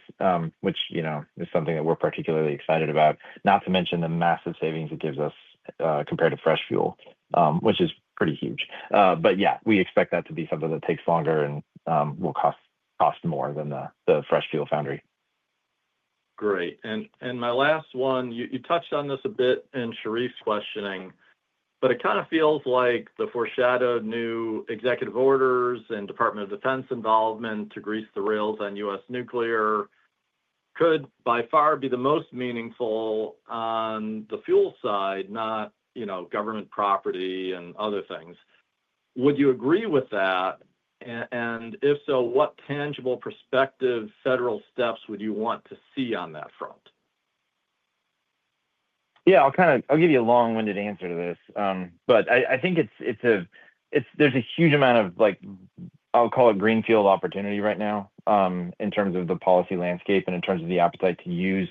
which is something that we're particularly excited about, not to mention the massive savings it gives us compared to fresh fuel, which is pretty huge. Yeah, we expect that to be something that takes longer and will cost more than the fresh fuel foundry. Great. My last one, you touched on this a bit in Sherif's questioning, but it kind of feels like the foreshadowed new executive orders and Department of Defense involvement to grease the rails on U.S. nuclear could by far be the most meaningful on the fuel side, not government property and other things. Would you agree with that? And if so, what tangible prospective federal steps would you want to see on that front? Yeah. I'll give you a long-winded answer to this, but I think there's a huge amount of, I'll call it, greenfield opportunity right now in terms of the policy landscape and in terms of the appetite to use,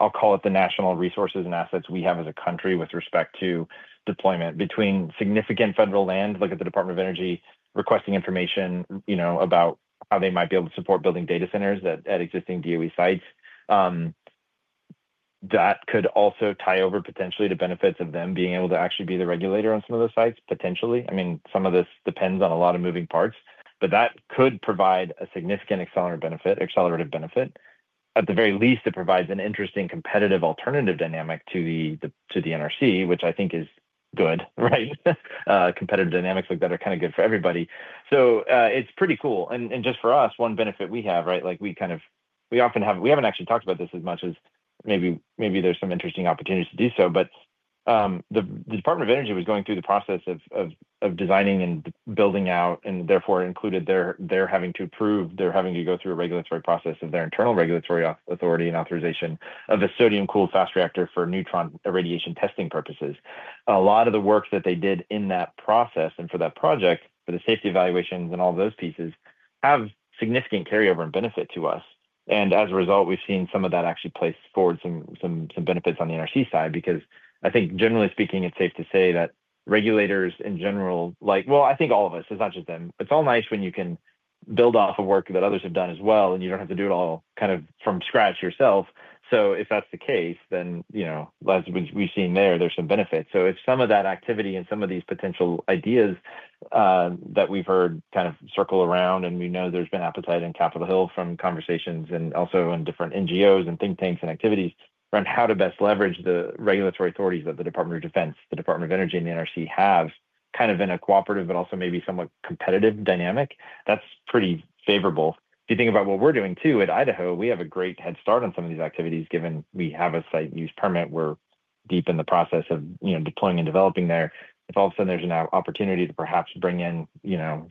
I'll call it, the national resources and assets we have as a country with respect to deployment between significant federal land, like at the Department of Energy requesting information about how they might be able to support building data centers at existing DOE sites. That could also tie over potentially to benefits of them being able to actually be the regulator on some of those sites, potentially. I mean, some of this depends on a lot of moving parts, but that could provide a significant accelerative benefit. At the very least, it provides an interesting competitive alternative dynamic to the NRC, which I think is good, right? Competitive dynamics like that are kind of good for everybody. It's pretty cool. Just for us, one benefit we have, right? We kind of, we haven't actually talked about this as much as maybe there's some interesting opportunities to do so, but the Department of Energy was going through the process of designing and building out, and therefore included their having to approve, their having to go through a regulatory process of their internal regulatory authority and authorization of a sodium-cooled fast reactor for neutron irradiation testing purposes. A lot of the work that they did in that process and for that project, for the safety evaluations and all of those pieces, have significant carryover and benefit to us. As a result, we've seen some of that actually place forward some benefits on the NRC side because I think, generally speaking, it's safe to say that regulators in general, well, I think all of us, it's not just them, it's all nice when you can build off of work that others have done as well, and you don't have to do it all kind of from scratch yourself. If that's the case, then as we've seen there, there's some benefits. If some of that activity and some of these potential ideas that we've heard kind of circle around, and we know there's been appetite in Capitol Hill from conversations and also in different NGOs and think tanks and activities around how to best leverage the regulatory authorities that the Department of Defense, the Department of Energy, and the NRC have kind of in a cooperative, but also maybe somewhat competitive dynamic, that's pretty favorable. If you think about what we're doing too at Idaho, we have a great head start on some of these activities given we have a site use permit. We're deep in the process of deploying and developing there. If all of a sudden there's an opportunity to perhaps bring in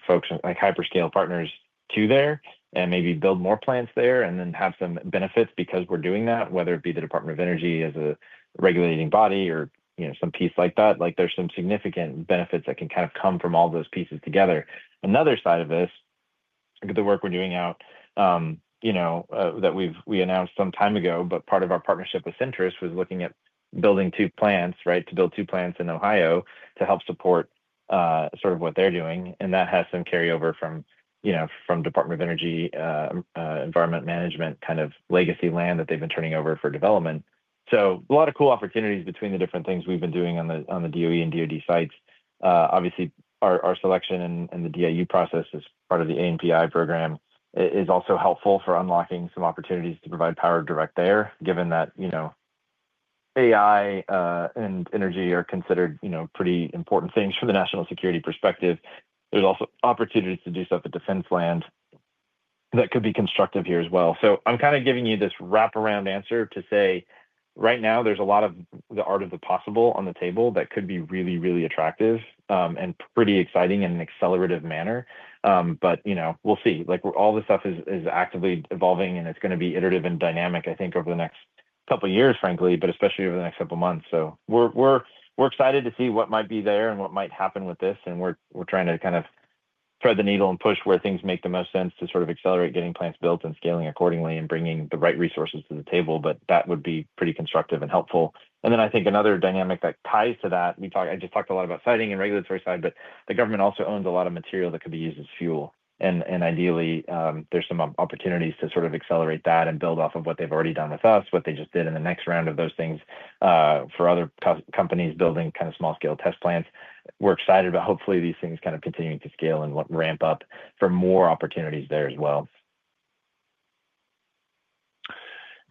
folks like hyperscale partners to there and maybe build more plants there and then have some benefits because we're doing that, whether it be the Department of Energy as a regulating body or some piece like that, there's some significant benefits that can kind of come from all those pieces together. Another side of this, the work we're doing out that we announced some time ago, but part of our partnership with Centrus was looking at building two plants, right, to build two plants in Ohio to help support sort of what they're doing. And that has some carryover from Department of Energy, environment management, kind of legacy land that they've been turning over for development. A lot of cool opportunities between the different things we've been doing on the DOE and DOD sites. Obviously, our selection and the DIU process as part of the ANPI program is also helpful for unlocking some opportunities to provide power direct there, given that AI and energy are considered pretty important things from the national security perspective. There are also opportunities to do stuff at defense land that could be constructive here as well. I'm kind of giving you this wraparound answer to say, right now, there's a lot of the art of the possible on the table that could be really, really attractive and pretty exciting in an accelerative manner. We'll see. All this stuff is actively evolving, and it's going to be iterative and dynamic, I think, over the next couple of years, frankly, but especially over the next couple of months. We're excited to see what might be there and what might happen with this. We're trying to kind of thread the needle and push where things make the most sense to sort of accelerate getting plants built and scaling accordingly and bringing the right resources to the table. That would be pretty constructive and helpful. I think another dynamic that ties to that, I just talked a lot about siting and regulatory side, but the government also owns a lot of material that could be used as fuel. Ideally, there's some opportunities to sort of accelerate that and build off of what they've already done with us, what they just did in the next round of those things for other companies building kind of small-scale test plants. We're excited about hopefully these things kind of continuing to scale and ramp up for more opportunities there as well.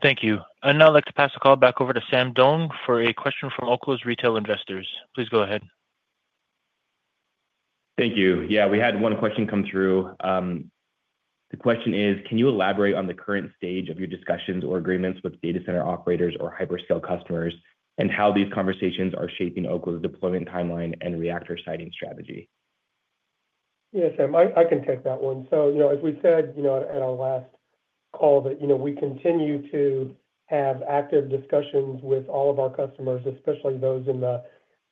Thank you. Now I'd like to pass the call back over to Sam Doane for a question from Oklo's retail investors. Please go ahead. Thank you. Yeah. We had one question come through. The question is, can you elaborate on the current stage of your discussions or agreements with data center operators or hyperscale customers and how these conversations are shaping Oklo's deployment timeline and reactor siting strategy? Yes, Sam. I can take that one. As we said at our last call, we continue to have active discussions with all of our customers, especially those in the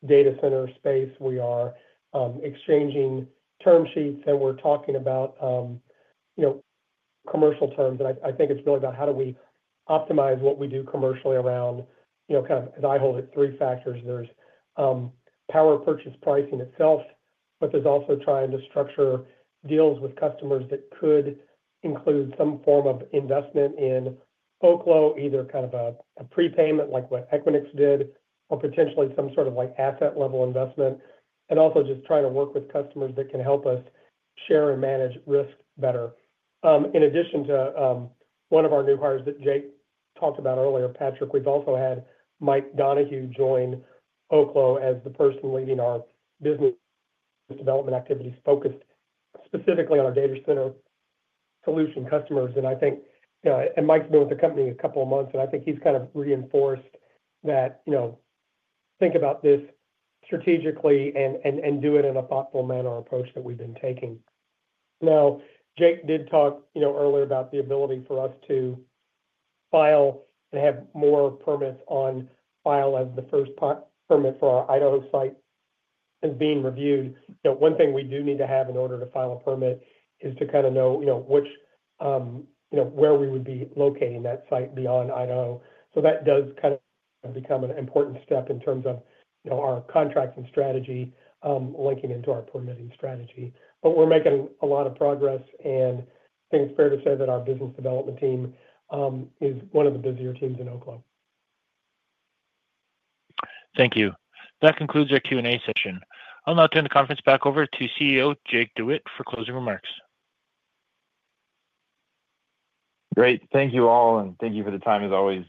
data center space. We are exchanging term sheets, and we're talking about commercial terms. I think it's really about how do we optimize what we do commercially around, kind of, as I hold it, three factors. There's power purchase pricing itself, but there's also trying to structure deals with customers that could include some form of investment in Oklo, either kind of a prepayment like what Equinix did or potentially some sort of asset-level investment, and also just trying to work with customers that can help us share and manage risk better. In addition to one of our new hires that Jake talked about earlier, Patrick, we've also had Mike Donohue join Oklo as the person leading our business development activities focused specifically on our data center solution customers. I think Mike's been with the company a couple of months, and I think he's kind of reinforced that think about this strategically and do it in a thoughtful manner approach that we've been taking. Now, Jake did talk earlier about the ability for us to file and have more permits on file as the first permit for our Idaho site is being reviewed. One thing we do need to have in order to file a permit is to kind of know where we would be locating that site beyond Idaho. That does kind of become an important step in terms of our contracting strategy linking into our permitting strategy. We are making a lot of progress, and I think it is fair to say that our business development team is one of the busier teams in Oklo. Thank you. That concludes our Q&A session. I will now turn the conference back over to CEO Jake DeWitte for closing remarks. Great. Thank you all, and thank you for the time, as always.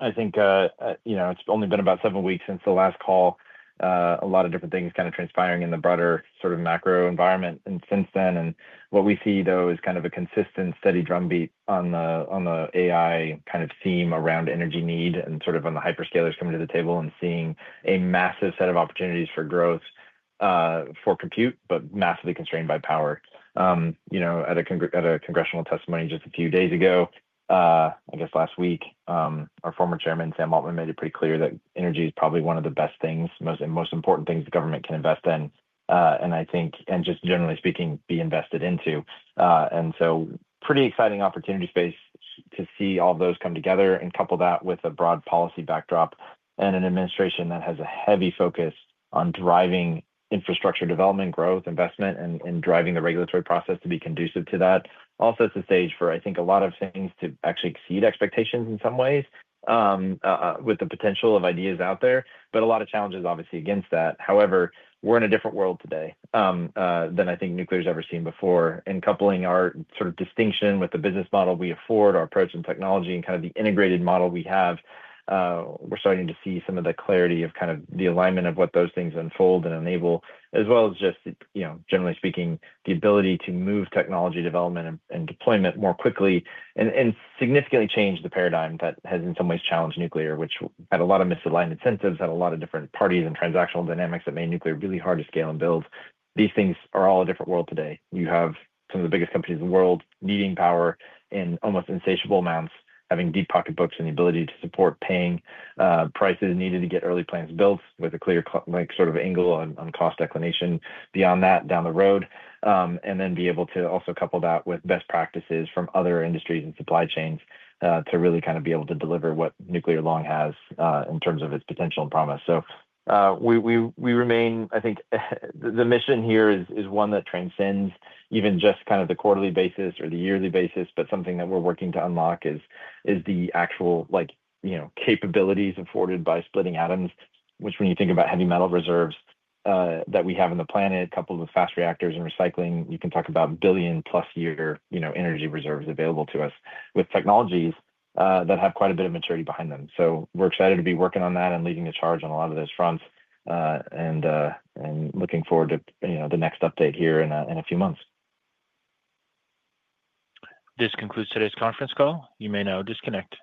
I think it has only been about seven weeks since the last call. A lot of different things kind of transpiring in the broader sort of macro environment since then. What we see, though, is kind of a consistent, steady drumbeat on the AI kind of theme around energy need and sort of on the hyperscalers coming to the table and seeing a massive set of opportunities for growth for compute, but massively constrained by power. At a congressional testimony just a few days ago, I guess last week, our former Chairman, Sam Altman, made it pretty clear that energy is probably one of the best things, most important things the government can invest in, and I think, and just generally speaking, be invested into. Pretty exciting opportunity space to see all those come together and couple that with a broad policy backdrop and an administration that has a heavy focus on driving infrastructure development, growth, investment, and driving the regulatory process to be conducive to that. Also at the stage for, I think, a lot of things to actually exceed expectations in some ways with the potential of ideas out there, but a lot of challenges, obviously, against that. However, we're in a different world today than I think nuclear has ever seen before. Coupling our sort of distinction with the business model we afford, our approach and technology, and kind of the integrated model we have, we're starting to see some of the clarity of kind of the alignment of what those things unfold and enable, as well as just, generally speaking, the ability to move technology development and deployment more quickly and significantly change the paradigm that has in some ways challenged nuclear, which had a lot of misaligned incentives, had a lot of different parties and transactional dynamics that made nuclear really hard to scale and build. These things are all a different world today. You have some of the biggest companies in the world needing power in almost insatiable amounts, having deep pocketbooks and the ability to support paying prices needed to get early plants built with a clear sort of angle on cost declination beyond that down the road, and then be able to also couple that with best practices from other industries and supply chains to really kind of be able to deliver what nuclear long has in terms of its potential and promise. We remain, I think the mission here is one that transcends even just kind of the quarterly basis or the yearly basis, but something that we're working to unlock is the actual capabilities afforded by splitting atoms, which when you think about heavy metal reserves that we have on the planet, coupled with fast reactors and recycling, you can talk about billion-plus-year energy reserves available to us with technologies that have quite a bit of maturity behind them. We are excited to be working on that and leading the charge on a lot of those fronts and looking forward to the next update here in a few months. This concludes today's conference call. You may now disconnect.